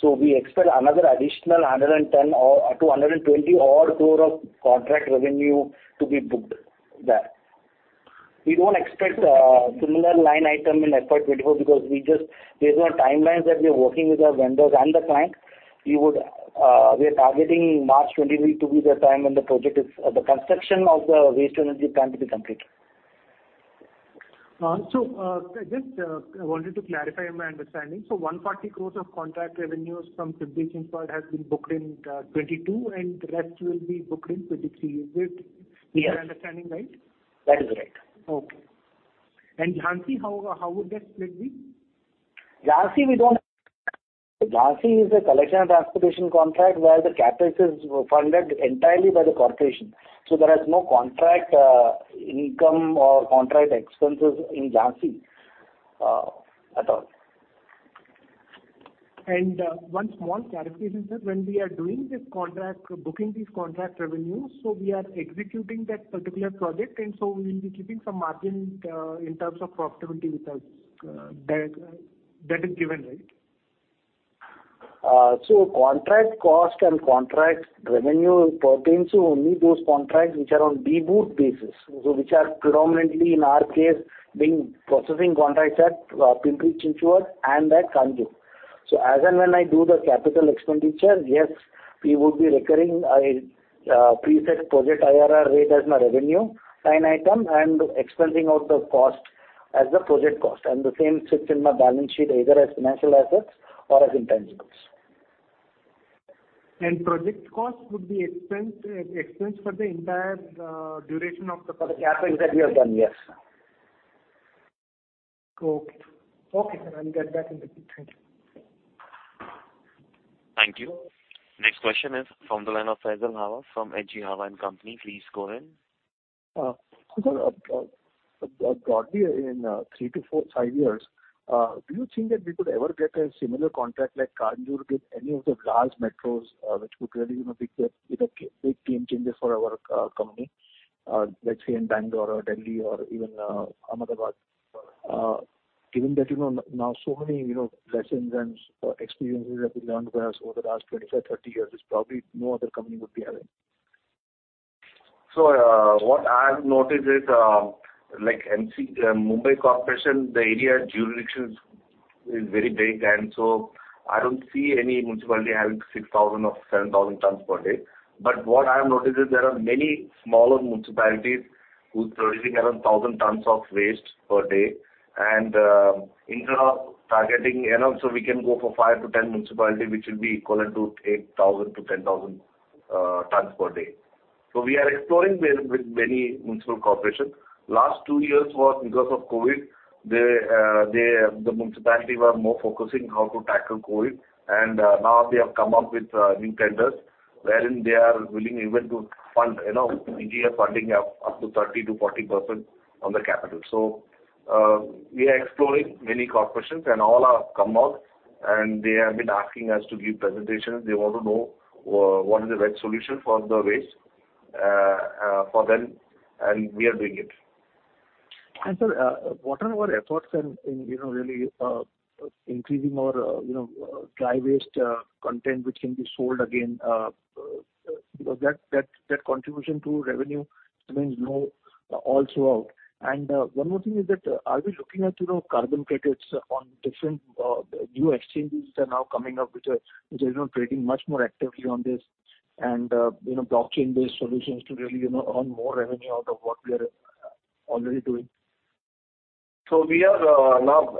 2023. We expect another additional 110-odd crore or 120-odd crore of contract revenue to be booked there. We don't expect similar line item in FY 2024 because, just based on timelines that we are working with our vendors and the client, we are targeting March 2023 to be the time when the construction of the waste-to-energy plant will be completed. Just wanted to clarify my understanding. 140 crore of contract revenues from Pimpri-Chinchwad has been booked in 2022, and the rest will be booked in 2023. Is it? Yes. Is my understanding right? That is right. Okay. Jhansi, how would that split be? Jhansi is a collection and transportation contract where the CapEx is funded entirely by the corporation. There is no contract income or contract expenses in Jhansi at all. One small clarification, sir. When we are doing this contract, booking these contract revenues, so we are executing that particular project, and so we will be keeping some margin in terms of profitability with us. That is given, right? Contract cost and contract revenue pertains to only those contracts which are on DBOT basis, which are predominantly, in our case, being processing contracts at Pimpri-Chinchwad and at Kanjur. As and when I do the capital expenditure, yes, we would be recognizing a preset project IRR rate as my revenue line item and expensing out the cost as the project cost. The same sits in my balance sheet either as financial assets or as intangibles. Project cost would be expense for the entire duration of the project. For the CapEx that we have done, yes. Okay. Okay, sir. I'll get back in the queue. Thank you. Thank you. Next question is from the line of Faisal Hawa from H.G. Hawa & Company. Please go ahead. Broadly in 3-5 years, do you think that we could ever get a similar contract like Kanjur Marg with any of the large metros, which could really, you know, be the big game changer for our company, let's say in Bangalore or Delhi or even Ahmedabad? Given that, you know, now so many, you know, lessons and experiences have been learned by us over the last 25-30 years, it's probably no other company would be having. What I have noticed is, like MCGM, Mumbai Corporation, the area jurisdictions is very big, and so I don't see any municipality having 6,000 or 7,000 tons per day. What I have noticed is there are many smaller municipalities who's producing around 1,000 tons of waste per day. Antony is targeting enough, so we can go for 5 to 10 municipality, which will be equivalent to 8,000 to 10,000 tons per day. We are exploring with many municipal corporations. Last 2 years was because of COVID, they the municipality were more focusing how to tackle COVID. Now they have come up with new tenders wherein they are willing even to fund, you know, in year funding up to 30%-40% on the capital. We are exploring many corporations and all have come out, and they have been asking us to give presentations. They want to know what is the right solution for the waste for them, and we are doing it. Sir, what are our efforts in you know really increasing our you know dry waste content which can be sold again? Because that contribution to revenue remains low all throughout. One more thing is that are we looking at you know carbon credits on different new exchanges that are now coming up which are you know trading much more actively on this and you know blockchain-based solutions to really you know earn more revenue out of what we are already doing? We are now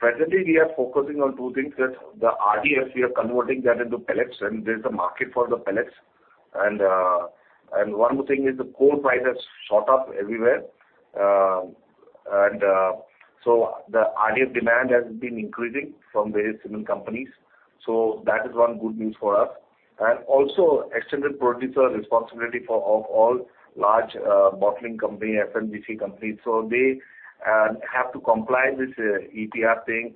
presently focusing on two things, that the RDF we are converting that into pellets, and there's a market for the pellets. One more thing is the coal price has shot up everywhere. The RDF demand has been increasing from various cement companies, so that is one good news for us. Extended producer responsibility for all large bottling company, FMCG companies. They have to comply with EPR thing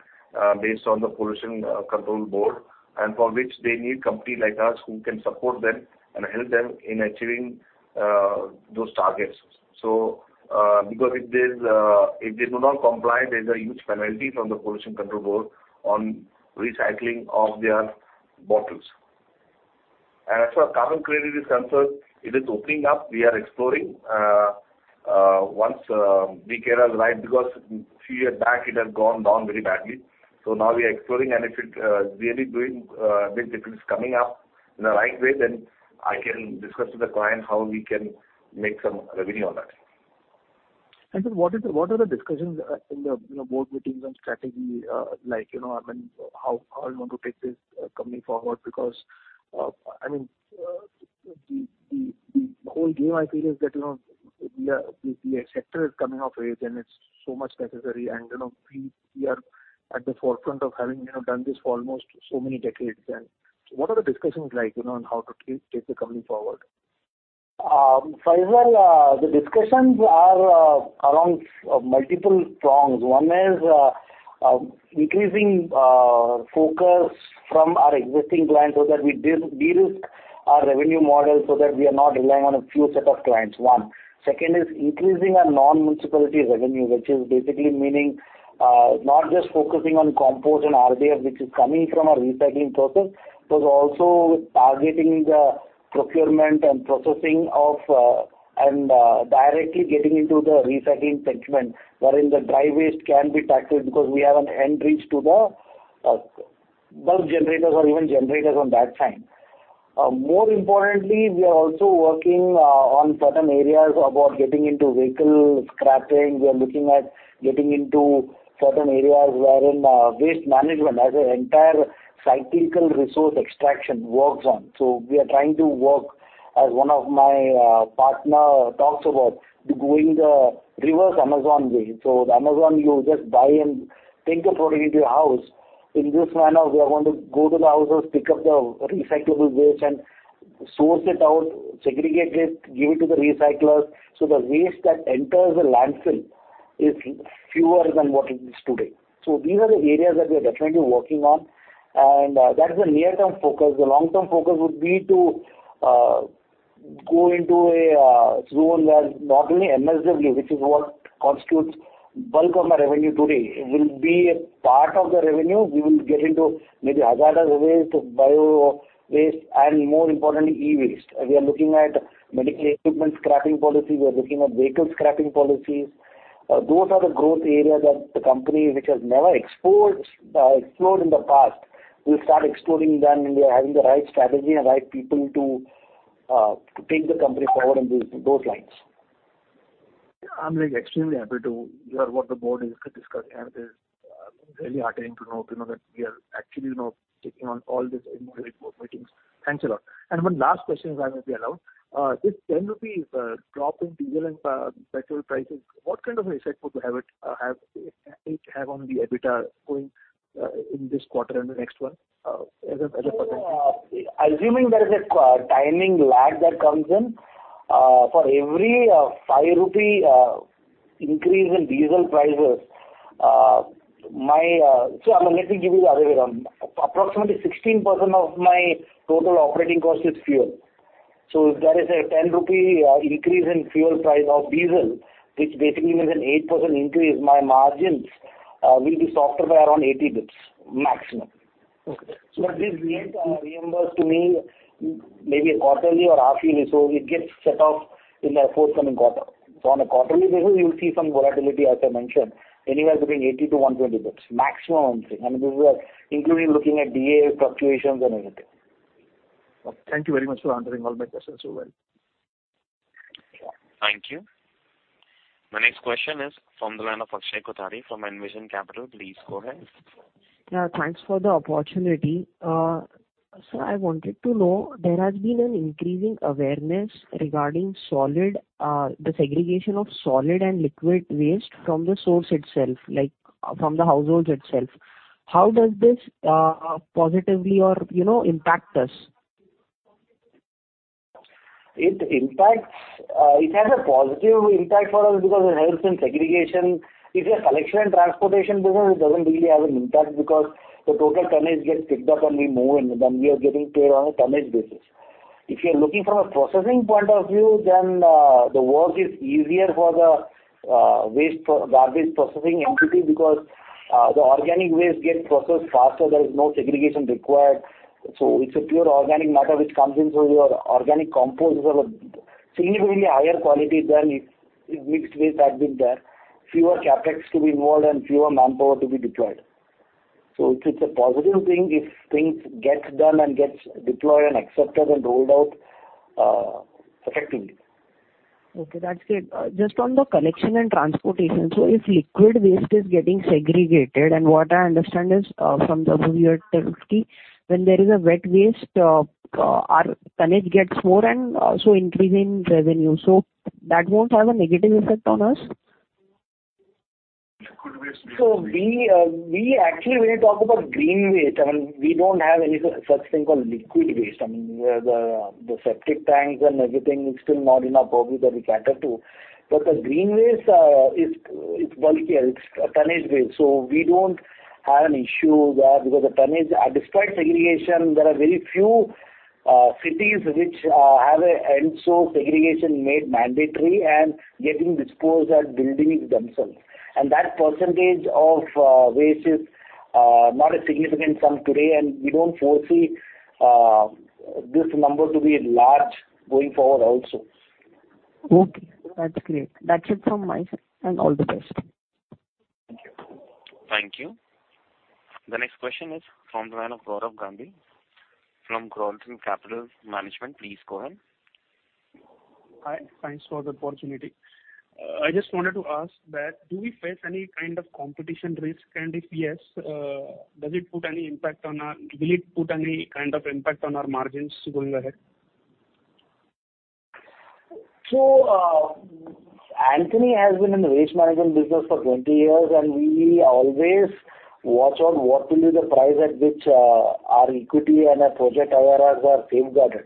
based on the Pollution Control Board, and for which they need company like us who can support them and help them in achieving those targets. Because if they do not comply, there's a huge penalty from the Pollution Control Board on recycling of their bottles. As far as carbon credit is concerned, it is opening up. We are exploring once we get it right because few years back it has gone down very badly. Now we are exploring if it is coming up in the right way, then I can discuss with the client how we can make some revenue on that. What are the discussions in the board meetings and strategy like? You know, I mean, how do you want to take this company forward? Because I mean, the whole game I feel is that you know, the sector is coming of age and it's so much necessary. You know, we are at the forefront of having done this for almost so many decades. What are the discussions like on how to take the company forward? Faisal, the discussions are around multiple prongs. One is increasing focus from our existing clients so that we de-derisk our revenue model so that we are not relying on a few set of clients, one. Second is increasing our non-municipality revenue, which is basically meaning not just focusing on compost and RDF, which is coming from our recycling process, but also targeting the procurement and processing of, and directly getting into the recycling segment, wherein the dry waste can be tackled because we have an end reach to the bulk generators or even generators on that side. More importantly, we are also working on certain areas about getting into vehicle scrapping. We are looking at getting into certain areas wherein waste management as an entire circular resource extraction works on. We are trying to work as one of my partner talks about doing the reverse Amazon way. The Amazon you just buy and take the product into your house. In this manner, we are going to go to the houses, pick up the recyclable waste and source it out, segregate it, give it to the recyclers. The waste that enters the landfill is fewer than what it is today. These are the areas that we are definitely working on, and that is the near-term focus. The long-term focus would be to go into a zone where not only MSW, which is what constitutes bulk of our revenue today, will be a part of the revenue. We will get into maybe hazardous waste, bio waste, and more importantly, e-waste. We are looking at medical equipment scrapping policy. We are looking at vehicle scrapping policies. Those are the growth areas that the company, which has never explored in the past, will start exploring them. We are having the right strategy and right people to take the company forward in those lines. I'm like extremely happy to hear what the board is discussing, and it is really heartening to know, you know, that we are actually, you know, taking on all this in your board meetings. Thanks a lot. One last question, if I may be allowed. This 10 rupee drop in diesel and petrol prices, what kind of an effect would it have on the EBITDA going in this quarter and the next one, as a potential? Assuming there is a timing lag that comes in for every 5-rupee increase in diesel prices. I mean, let me give you the other way around. Approximately 16% of my total operating cost is fuel. If there is a 10-rupee increase in fuel price of diesel, which basically means an 8% increase, my margins will be softer by around 80 basis points, maximum. Okay. This gets reimbursed to me maybe quarterly or half-yearly, so it gets set off in the forthcoming quarter. On a quarterly basis, you'll see some volatility as I mentioned, anywhere between 80-120 basis points, maximum only. I mean, these are including looking at DA fluctuations and everything. Thank you very much for answering all my questions so well. Yeah. Thank you. My next question is from the line of Akshay Kothari from Envision Capital. Please go ahead. Yeah, thanks for the opportunity. Sir, I wanted to know, there has been an increasing awareness regarding solid, the segregation of solid and liquid waste from the source itself, like from the households itself. How does this positively or, you know, impact us? It has a positive impact for us because it helps in segregation. If you're a collection and transportation business, it doesn't really have an impact because the total tonnage gets picked up and we move and then we are getting paid on a tonnage basis. If you are looking from a processing point of view, then the work is easier for the garbage processing entity because the organic waste gets processed faster. There is no segregation required. So it's a pure organic matter which comes in, so your organic compost is of a significantly higher quality than if mixed waste had been there. Fewer CapEx to be involved and fewer manpower to be deployed. So it's a positive thing if things gets done and gets deployed and accepted and rolled out effectively. Okay, that's great. Just on the collection and transportation. If liquid waste is getting segregated, and what I understand is, from the 50/30/50, when there is a wet waste, our tonnage gets more and also increase in revenue. That won't have a negative effect on us? We actually when we talk about green waste, I mean, we don't have any such thing called liquid waste. I mean, the septic tanks and everything is still not in our purview that we cater to. The green waste is bulkier. It's a tonnage waste, so we don't have an issue there because the tonnage. Despite segregation, there are very few cities which have end-to-end segregation made mandatory and getting disposed at buildings themselves. That percentage of waste is not a significant sum today, and we don't foresee this number to be large going forward also. Okay. That's great. That's it from my side, and all the best. Thank you. Thank you. The next question is from the line of Gaurav Gandhi from Glorytail Capital Management. Please go ahead. Hi. Thanks for the opportunity. I just wanted to ask that do we face any kind of competition risk, and if yes, will it put any kind of impact on our margins going ahead? Antony has been in the waste management business for 20 years, and we always watch on what will be the price at which our equity and our project IRRs are safeguarded.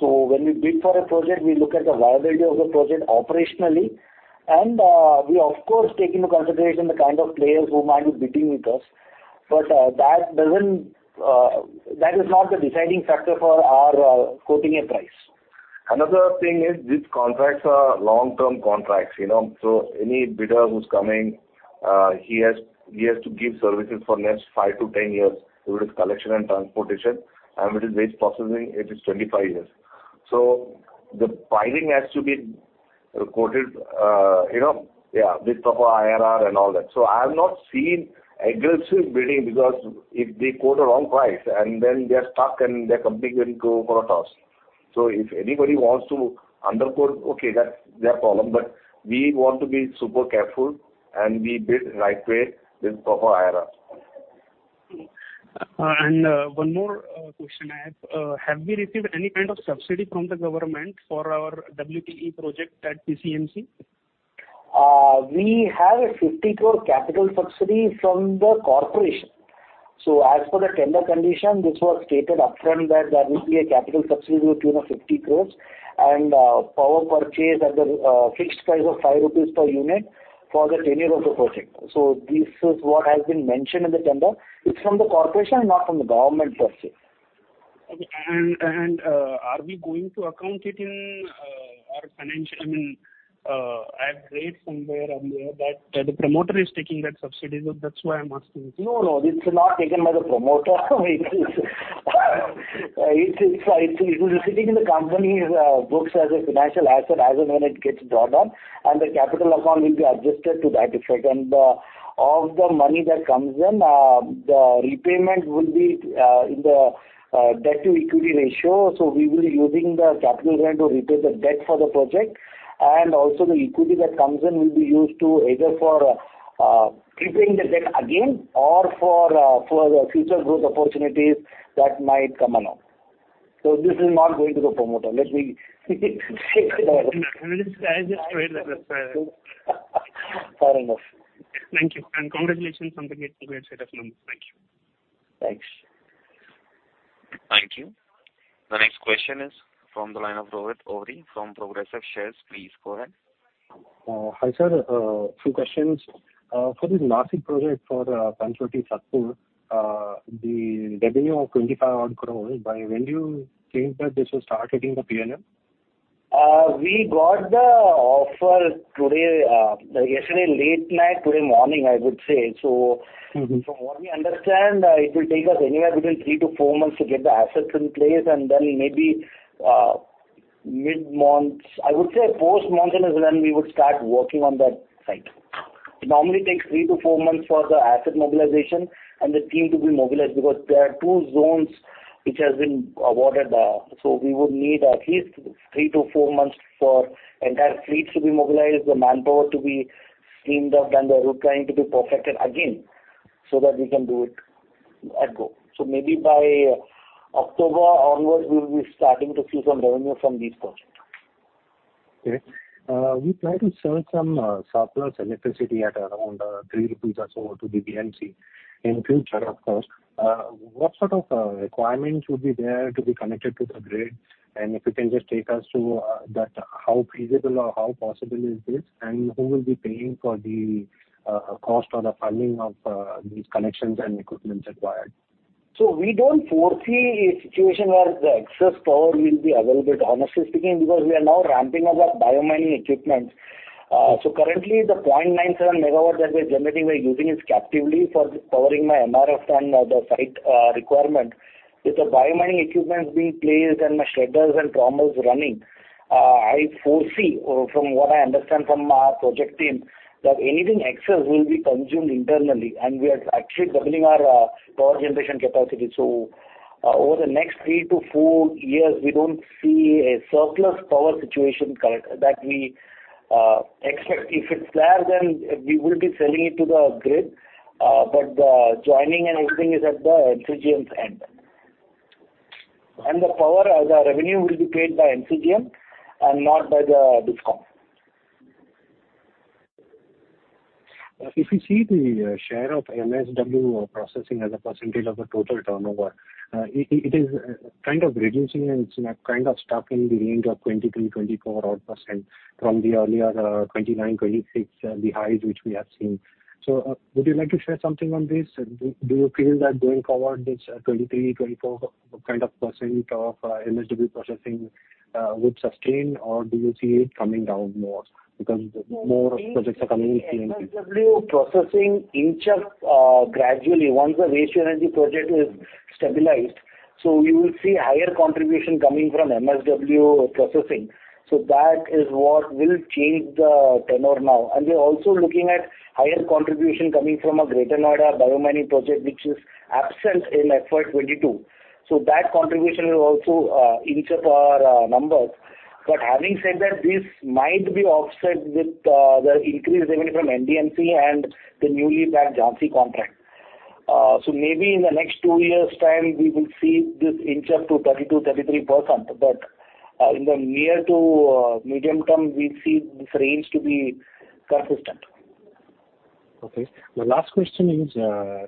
When we bid for a project, we look at the viability of the project operationally, and we of course take into consideration the kind of players who might be bidding with us. That doesn't, that is not the deciding factor for our quoting a price. Another thing is these contracts are long-term contracts, you know. Any bidder who's coming, he has to give services for next 5-10 years, whether it's collection and transportation, and if it is waste processing, it is 25 years. The pricing has to be quoted, you know, yeah, with proper IRR and all that. I have not seen aggressive bidding because if they quote a wrong price and then they're stuck and their company will go for a toss. If anybody wants to underquote, okay, that's their problem. We want to be super careful, and we bid right way with proper IRR. One more question I have. Have we received any kind of subsidy from the government for our WTE project at PCMC? We have a 50 crore capital subsidy from the corporation. As per the tender condition, this was stated upfront that there will be a capital subsidy to the tune of 50 crore and power purchase at the fixed price of 5 rupees per unit for the tenure of the project. This is what has been mentioned in the tender. It's from the corporation, not from the government per se. Okay. Are we going to account it in our financial, I mean, at rate somewhere or the other that the promoter is taking that subsidy? That's why I'm asking this. No, no. It's not taken by the promoter. It is sitting in the company's books as a financial asset as and when it gets drawn down, and the capital account will be adjusted to that effect. Of the money that comes in, the repayment will be in the debt-to-equity ratio. We will be using the capital grant to repay the debt for the project. The equity that comes in will be used either for repaying the debt again or for the future growth opportunities that might come along. This is not going to the promoter. Let me. I just wanted to understand. Fair enough. Thank you, and congratulations on the H2 set of numbers. Thank you. Thanks. Thank you. The next question is from the line of Rohit Ohri from Progressive Shares. Please go ahead. Hi, sir. Two questions. For this Nashik project for Panchavati Satpur, the revenue of 25 odd crore, by when do you think that this will start hitting the P&L? We got the offer today, yesterday late night, today morning, I would say. Mm-hmm. From what we understand, it will take us anywhere between 3-4 months to get the assets in place and then maybe mid-month. I would say post-monsoon is when we would start working on that site. It normally takes 3-4 months for the asset mobilization and the team to be mobilized because there are 2 zones which has been awarded. We would need at least 3-4 months for entire fleets to be mobilized, the manpower to be teamed up, and the route planning to be perfected again so that we can do it at go. Maybe by October onwards we will be starting to see some revenue from this project. Okay. We plan to sell some surplus electricity at around INR 3 or so to the BMC in future, of course. What sort of requirements would be there to be connected to the grid? If you can just take us through that how feasible or how possible is this, and who will be paying for the cost or the funding of these connections and equipment required? We don't foresee a situation where the excess power will be available, honestly speaking, because we are now ramping up our biomining equipment. Currently the 0.97 MW that we're generating, we're using it captively for powering our MRF and the site requirement. With the biomining equipments being placed and our shredders and trommels running, I foresee or from what I understand from our project team, that anything excess will be consumed internally, and we are actually doubling our power generation capacity. Over the next 3-4 years, we don't see a surplus power situation that we expect. If it's there, then we will be selling it to the grid, but the joining and everything is at the MCGM's end. The payment for the power will be paid by MCGM and not by the DISCOM. If you see the share of MSW processing as a percentage of the total turnover, it is kind of reducing and it's like kind of stuck in the range of 23%-24% odd from the earlier 29%, 26% the highs which we have seen. Would you like to share something on this? Do you feel that going forward, this 23%-24% kind of of MSW processing would sustain or do you see it coming down more because more projects are coming in C&T? MSW processing will inch up gradually once the Waste-to-Energy project is stabilized. We will see higher contribution coming from MSW processing. That is what will change the turnover now. We are also looking at higher contribution coming from a Greater Noida biomining project, which is absent in FY 2022. That contribution will also inch up our numbers. Having said that, this might be offset with the increased revenue from NDMC and the newly bagged Jhansi contract. Maybe in the next 2 years' time we will see this inch up to 32%-33%. In the near to medium term, we see this range to be consistent. Okay. The last question is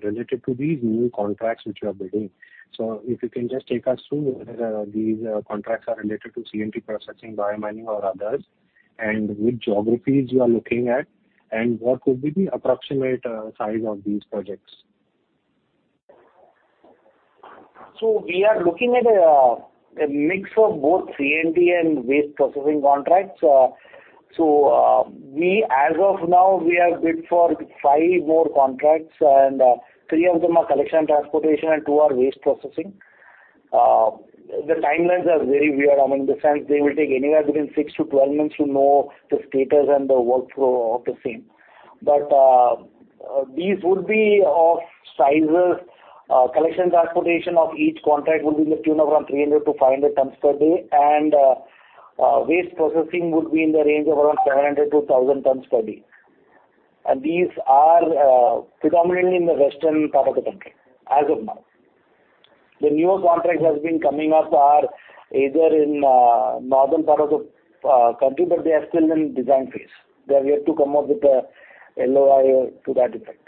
related to these new contracts which you are bidding. If you can just take us through whether these contracts are related to C&T processing, biomining or others, and which geographies you are looking at, and what could be the approximate size of these projects. We are looking at a mix of both C&T and waste processing contracts. We as of now have bid for five more contracts and, three of them are collection transportation and two are waste processing. The timelines are very weird. I mean, in the sense they will take anywhere between 6-12 months to know the status and the workflow of the same. These would be of sizes, collection transportation of each contract will be in the tune of around 300-500 tons per day. Waste processing would be in the range of around 700-1,000 tons per day. These are predominantly in the western part of the country as of now. The newer contracts has been coming up are either in northern part of the country, but they are still in design phase. They are yet to come up with the LOI to that effect.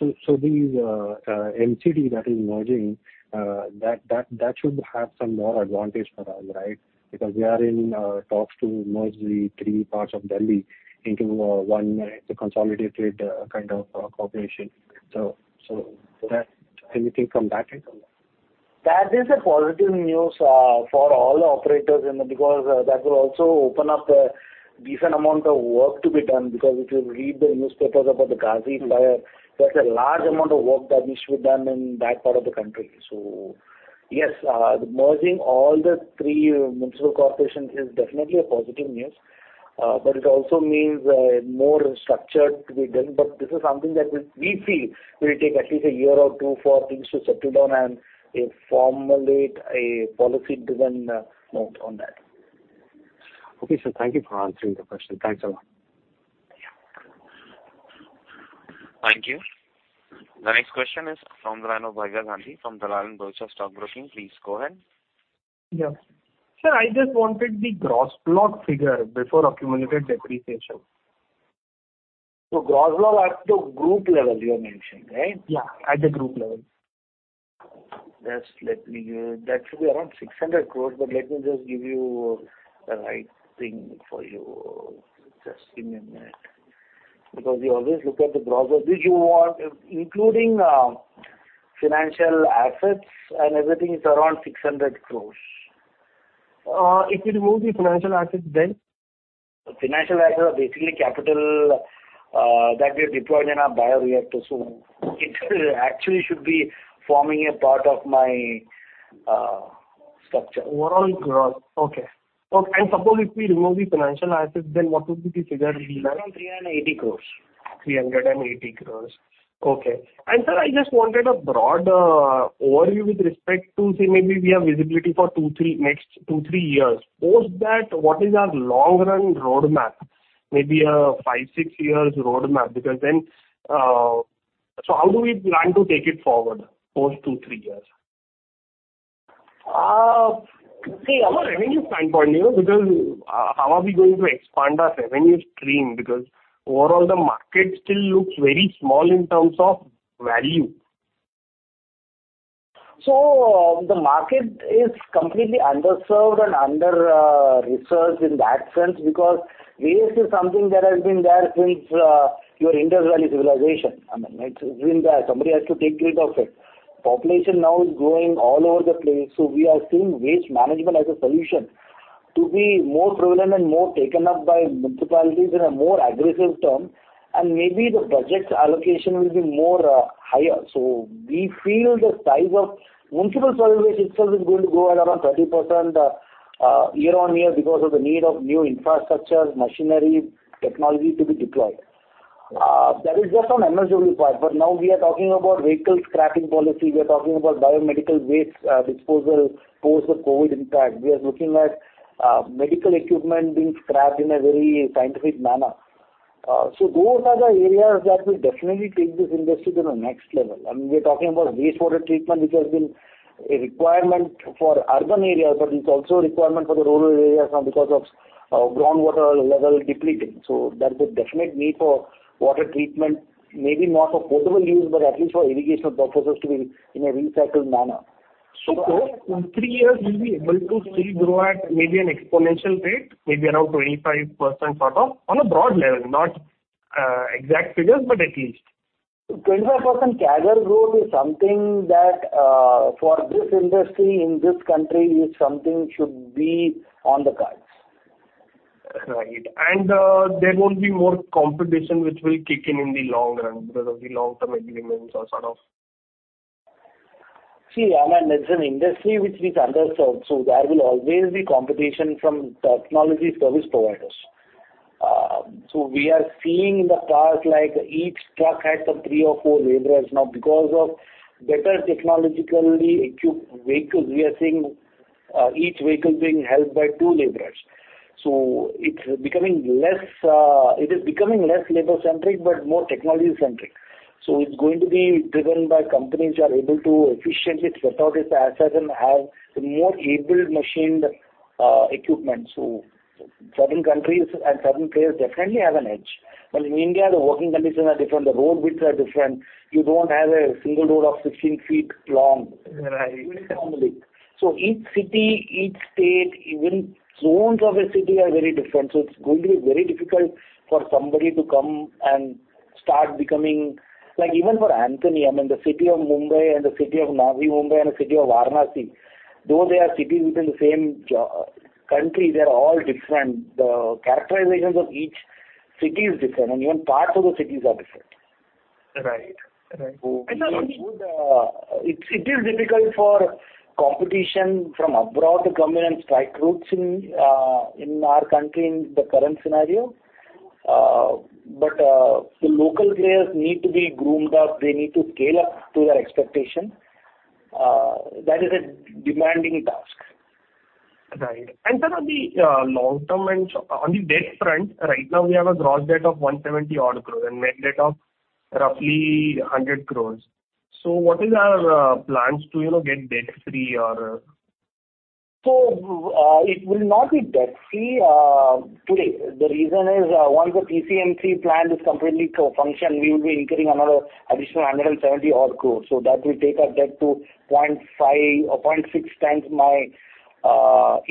These MCD that is merging, that should have some more advantage for us, right? Because we are in talks to merge the three parts of Delhi into one consolidated kind of corporation. That anything from that end or no? That is a positive news for all the operators because that will also open up a decent amount of work to be done because if you read the newspapers about the Ghazipur, there's a large amount of work that needs to be done in that part of the country. Merging all the three municipal corporations is definitely a positive news. It also means more infrastructure to be done. This is something that we feel will take at least a year or two for things to settle down and formulate a policy driven note on that. Okay, sir. Thank you for answering the question. Thanks a lot. Thank you. The next question is from the line of Bhavya Gandhi from Dalal & Broacha Stock Broking. Please go ahead. Yeah. Sir, I just wanted the gross block figure before accumulated depreciation. Gross block at the group level you are mentioning, right? Yeah, at the group level. That should be around 600 crore. Let me just give you the right thing for you. Just give me a minute. Did you want, including financial assets and everything? It's around 600 crore. If we remove the financial assets then? Financial assets are basically capital that we have deployed in our bioreactor. It actually should be forming a part of my structure. Overall gross. Okay. Suppose if we remove the financial assets, then what would be the figure we earn? 380 crore. INR 380 crore. Okay. Sir, I just wanted a broad overview with respect to, say, maybe we have visibility for 2-3, next 2-3 years. Post that, what is our long run roadmap? Maybe a 5-6 years roadmap because then, how do we plan to take it forward post 2-3 years? Uh. See, our revenue standpoint, you know, because how are we going to expand our revenue stream? Because overall the market still looks very small in terms of value. The market is completely underserved and under-researched in that sense because waste is something that has been there since your Indus Valley Civilization. I mean, it's been there. Somebody has to take care of it. Population now is growing all over the place, so we are seeing waste management as a solution to be more prevalent and more taken up by municipalities in a more aggressive term. Maybe the budget allocation will be more higher. We feel the size of municipal solid waste itself is going to grow at around 30% year-on-year because of the need of new infrastructure, machinery, technology to be deployed. That is just on MSW part. Now we are talking about vehicle scrapping policy. We are talking about biomedical waste disposal post the COVID impact. We are looking at, medical equipment being scrapped in a very scientific manner. Those are the areas that will definitely take this industry to the next level. I mean, we're talking about wastewater treatment, which has been a requirement for urban areas, but it's also a requirement for the rural areas now because of, groundwater level depleting. There's a definite need for water treatment, maybe not for potable use, but at least for irrigation purposes to be in a recycled manner. Sir, in 3 years we'll be able to still grow at maybe an exponential rate, maybe around 25% sort of on a broad level, not exact figures, but at least. 25% CAGR growth is something that, for this industry in this country, is something should be on the cards. Right. There won't be more competition which will kick in the long run because of the long-term agreements or sort of? I mean, it's an industry which we've underserved, so there will always be competition from technology service providers. We are seeing the carts, like each truck has some three or four laborers. Now because of better technologically equipped vehicles, we are seeing each vehicle being manned by two laborers. It's becoming less labor-centric, but more technology-centric. It's going to be driven by companies who are able to efficiently sort out their assets and have more capable machinery. Certain countries and certain players definitely have an edge. In India, the working conditions are different, the road widths are different. You don't have a single road of 16 feet wide. Right. Even in Mumbai. Each city, each state, even zones of a city are very different. It's going to be very difficult for somebody to come and start becoming, like even for Antony. I mean, the city of Mumbai and the city of Navi Mumbai and the city of Varanasi, though they are cities within the same country, they're all different. The characterizations of each city is different, and even parts of the cities are different. Right. Right. It is difficult for competition from abroad to come in and strike roots in our country in the current scenario. The local players need to be groomed up. They need to scale up to their expectation. That is a demanding task. Right. Sir, on the long term and on the debt front, right now we have a gross debt of 170 odd crore and net debt of roughly 100 crore. What is our plans to, you know, get debt-free or? It will not be debt-free today. The reason is, once the PCMC plant is completely co-functional, we will be incurring another additional 170-odd crore. That will take our debt to 0.5x or 0.6x my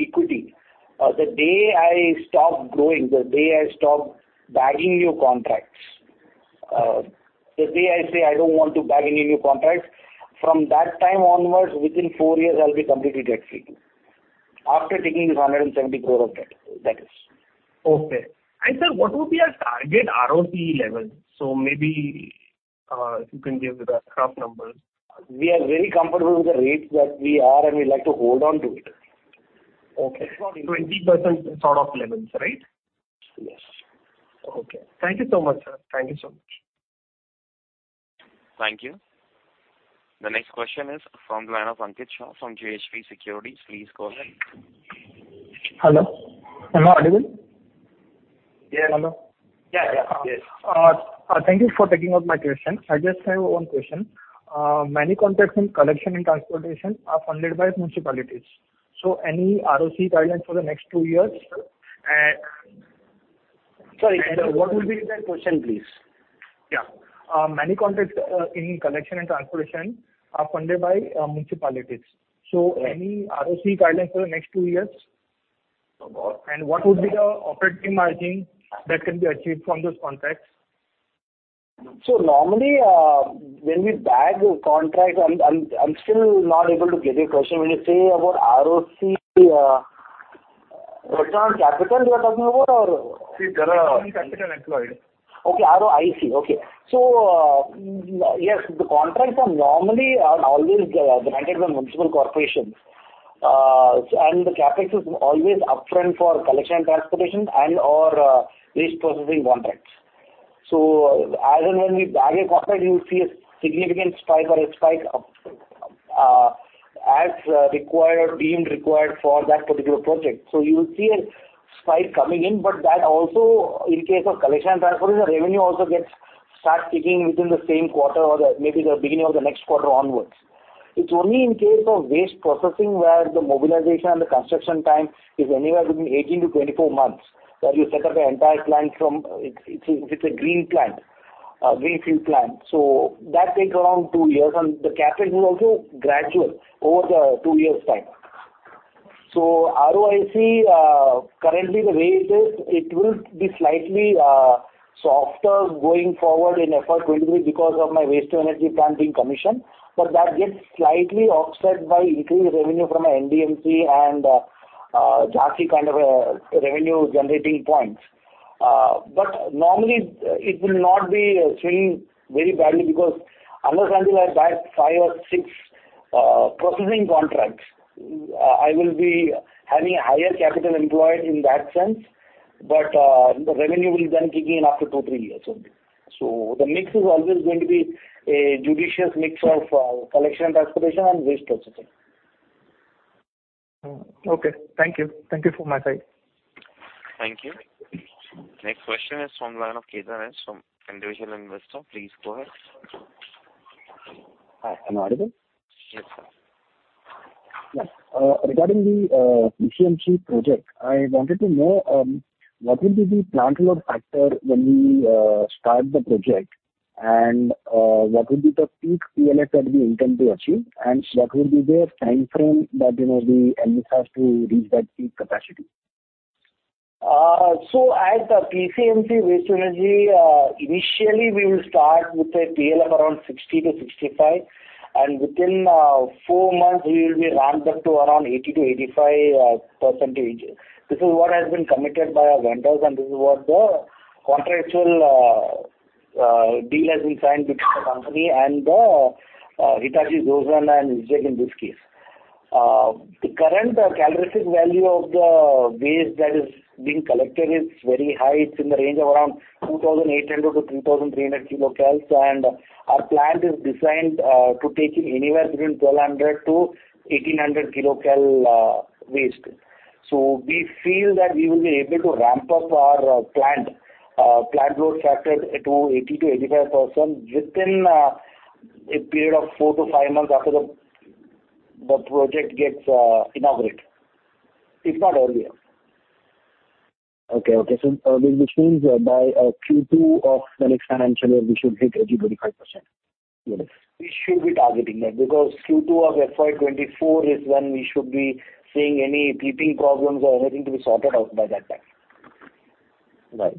equity. The day I stop growing, the day I stop bagging new contracts, the day I say I don't want to bag any new contracts, from that time onwards, within four years, I'll be completely debt-free. After taking this 170 crore of debt, that is. Okay. Sir, what would be our target ROCE level? Maybe, if you can give the rough numbers. We are very comfortable with the rates that we are, and we like to hold on to it. Okay. 20% sort of levels, right? Yes. Okay. Thank you so much, sir. Thank you so much. Thank you. The next question is from the line of Ankit Shah from JSB Securities. Please go ahead. Hello? Am I audible? Yeah. Hello? Thank you for taking up my question. I just have one question. Many contracts in collection and transportation are funded by municipalities. Any ROCE guidance for the next 2 years, sir? Sorry. What will be the question, please? Yeah. Many contracts in collection and transportation are funded by municipalities. Any ROCE guidance for the next 2 years? About. What would be the operating margin that can be achieved from those contracts? I'm still not able to get your question. When you say about ROCE, return on capital you are talking about or? See the return on capital employed. ROIC. Yes, the contracts are normally always granted by municipal corporations. The CapEx is always upfront for collection and transportation and/or waste processing contracts. As and when we bag a contract, you'll see a significant spike of, as required, being required for that particular project. You'll see a spike coming in, but that also in case of collection and transportation, the revenue also gets start kicking within the same quarter or maybe the beginning of the next quarter onwards. It's only in case of waste processing where the mobilization and the construction time is anywhere between 18-24 months, where you set up an entire plant. It's a green plant, a greenfield plant. That take around 2 years, and the CapEx is also gradual over the 2 years time. ROIC currently the way it is, it will be slightly softer going forward in FY 2023 because of my Waste-to-Energy plant being commissioned. That gets slightly offset by increased revenue from a NDMC and Jhansi kind of a revenue-generating points. Normally it will not be swinging very badly because understanding I bag five or six processing contracts. I will be having a higher capital employed in that sense, but the revenue will then kick in after 2-3 years only. The mix is always going to be a judicious mix of collection and transportation and waste processing. Okay. Thank you. Thank you from my side. Thank you. Next question is from the line of from Individual Investor. Please go ahead. Hi, am I audible? Yes, sir. Yes. Regarding the PCMC project, I wanted to know what will be the plant load factor when we start the project, and what will be the peak PLF that we intend to achieve, and what will be the timeframe that the plant has to reach that peak capacity? At the PCMC Waste-to-Energy, initially we will start with a PLF around 60-65, and within 4 months we will be ramped up to around 80%-85%. This is what has been committed by our vendors, and this is what the contractual deal has been signed between the company and the Hitachi Zosen Inova in this case. The current calorific value of the waste that is being collected is very high. It's in the range of around 2,800-3,300 kcal, and our plant is designed to take in anywhere between 1,200-1,800 kcal waste. We feel that we will be able to ramp up our plant load factor to 80%-85% within a period of 4-5 months after the project gets inaugurated, if not earlier. This means by Q2 of the next financial year, we should hit 80-85% PLF. We should be targeting that because Q2 of FY 2024 is when we should be seeing any teething problems or anything to be sorted out by that time. Right.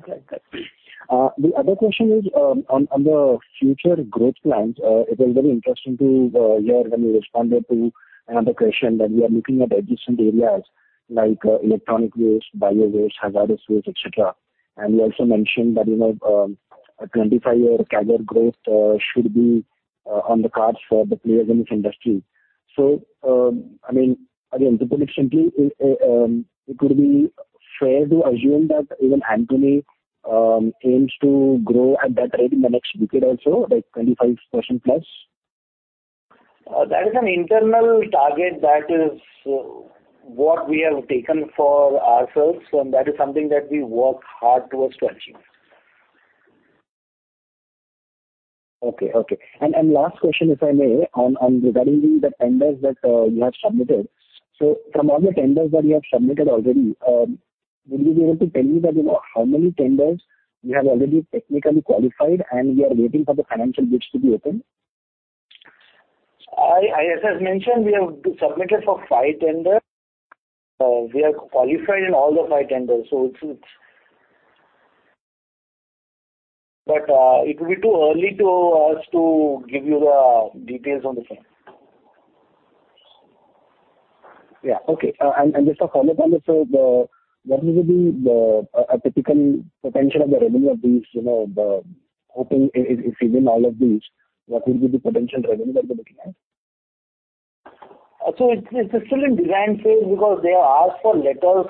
The other question is on the future growth plans. It was very interesting to hear when you responded to another question that we are looking at adjacent areas like electronic waste, bio waste, hazardous waste, et cetera. You also mentioned that, you know, a 25-year CAGR growth should be on the cards for the players in this industry. I mean, again, to put it simply, it would be fair to assume that even Antony aims to grow at that rate in the next decade also, like 25%+? That is an internal target, that is what we have taken for ourselves, and that is something that we work hard towards to achieve. Last question, if I may, on regarding the tenders that you have submitted. From all the tenders that you have submitted already, would you be able to tell me that, you know, how many tenders you have already technically qualified and you are waiting for the financial bids to be opened? As I've mentioned, we have submitted for five tenders. We are qualified in all the five tenders. It will be too early for us to give you the details on the same. Yeah. Okay, and just a follow-up on this. What will be a typical potential of the revenue of these, you know, the open if you win all of these, what will be the potential revenue that you're looking at? It's still in design phase because they have asked for letters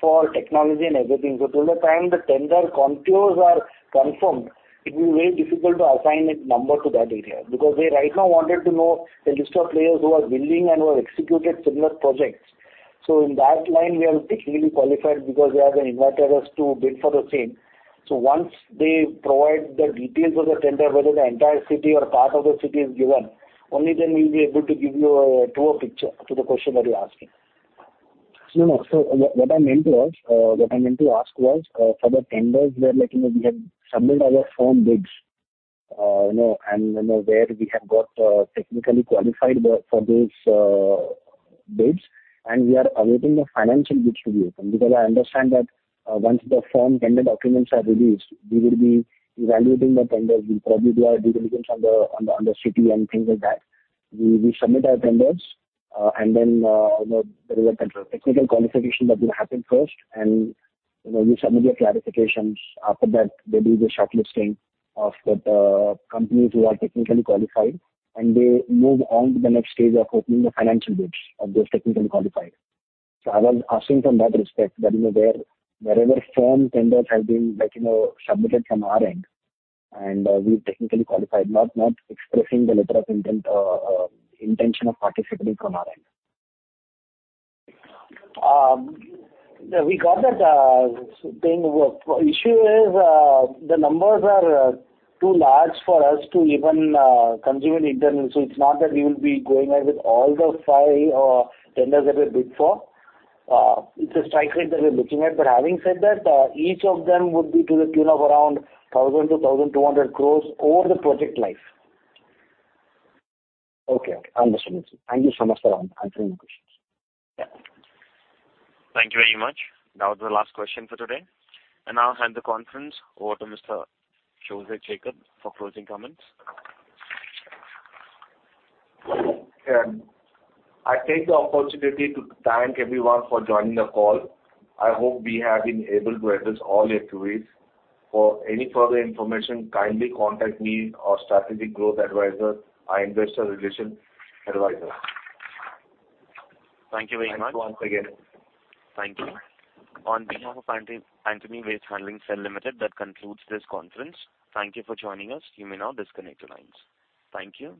for technology and everything. Till the time the tender contours are confirmed, it will be very difficult to assign a number to that area. Because they right now wanted to know the list of players who are willing and who have executed similar projects. In that line, we have technically qualified because they have invited us to bid for the same. Once they provide the details of the tender, whether the entire city or part of the city is given, only then we'll be able to give you a truer picture to the question that you're asking. No, no. What I meant was, what I meant to ask was, for the tenders where, like, you know, we have submitted our firm bids, and, you know, where we have got technically qualified for those bids, and we are awaiting the financial bids to be opened. Because I understand that, once the firm tender documents are released, we will be evaluating the tenders. We'll probably do our due diligence on the city and things like that. We submit our tenders, and then, you know, there is a technical qualification that will happen first. You know, we submit our clarifications. After that they do the shortlisting of the companies who are technically qualified, and they move on to the next stage of opening the financial bids of those technically qualified. I was asking from that perspective that, you know, wherever firm tenders have been, like, you know, submitted from our end and we've technically qualified, not expressing the letter of intent, intention of participating from our end. We got that thing. The issue is, the numbers are too large for us to even consume it internally. It's not that we will be going ahead with all the five tenders that we bid for. It's a strike rate that we're looking at. Having said that, each of them would be to the tune of around 1,000 crore-1,200 crore over the project life. Okay. Understood. Thank you so much for answering my questions. Yeah. Thank you very much. That was the last question for today. I now hand the conference over to Mr. Jose Jacob for closing comments. I take the opportunity to thank everyone for joining the call. I hope we have been able to address all your queries. For any further information, kindly contact me or Strategic Growth Advisors, our Investor Relations Advisor. Thank you very much. Thanks once again. Thank you. On behalf of Antony Waste Handling Cell Limited, that concludes this conference. Thank you for joining us. You may now disconnect your lines. Thank you.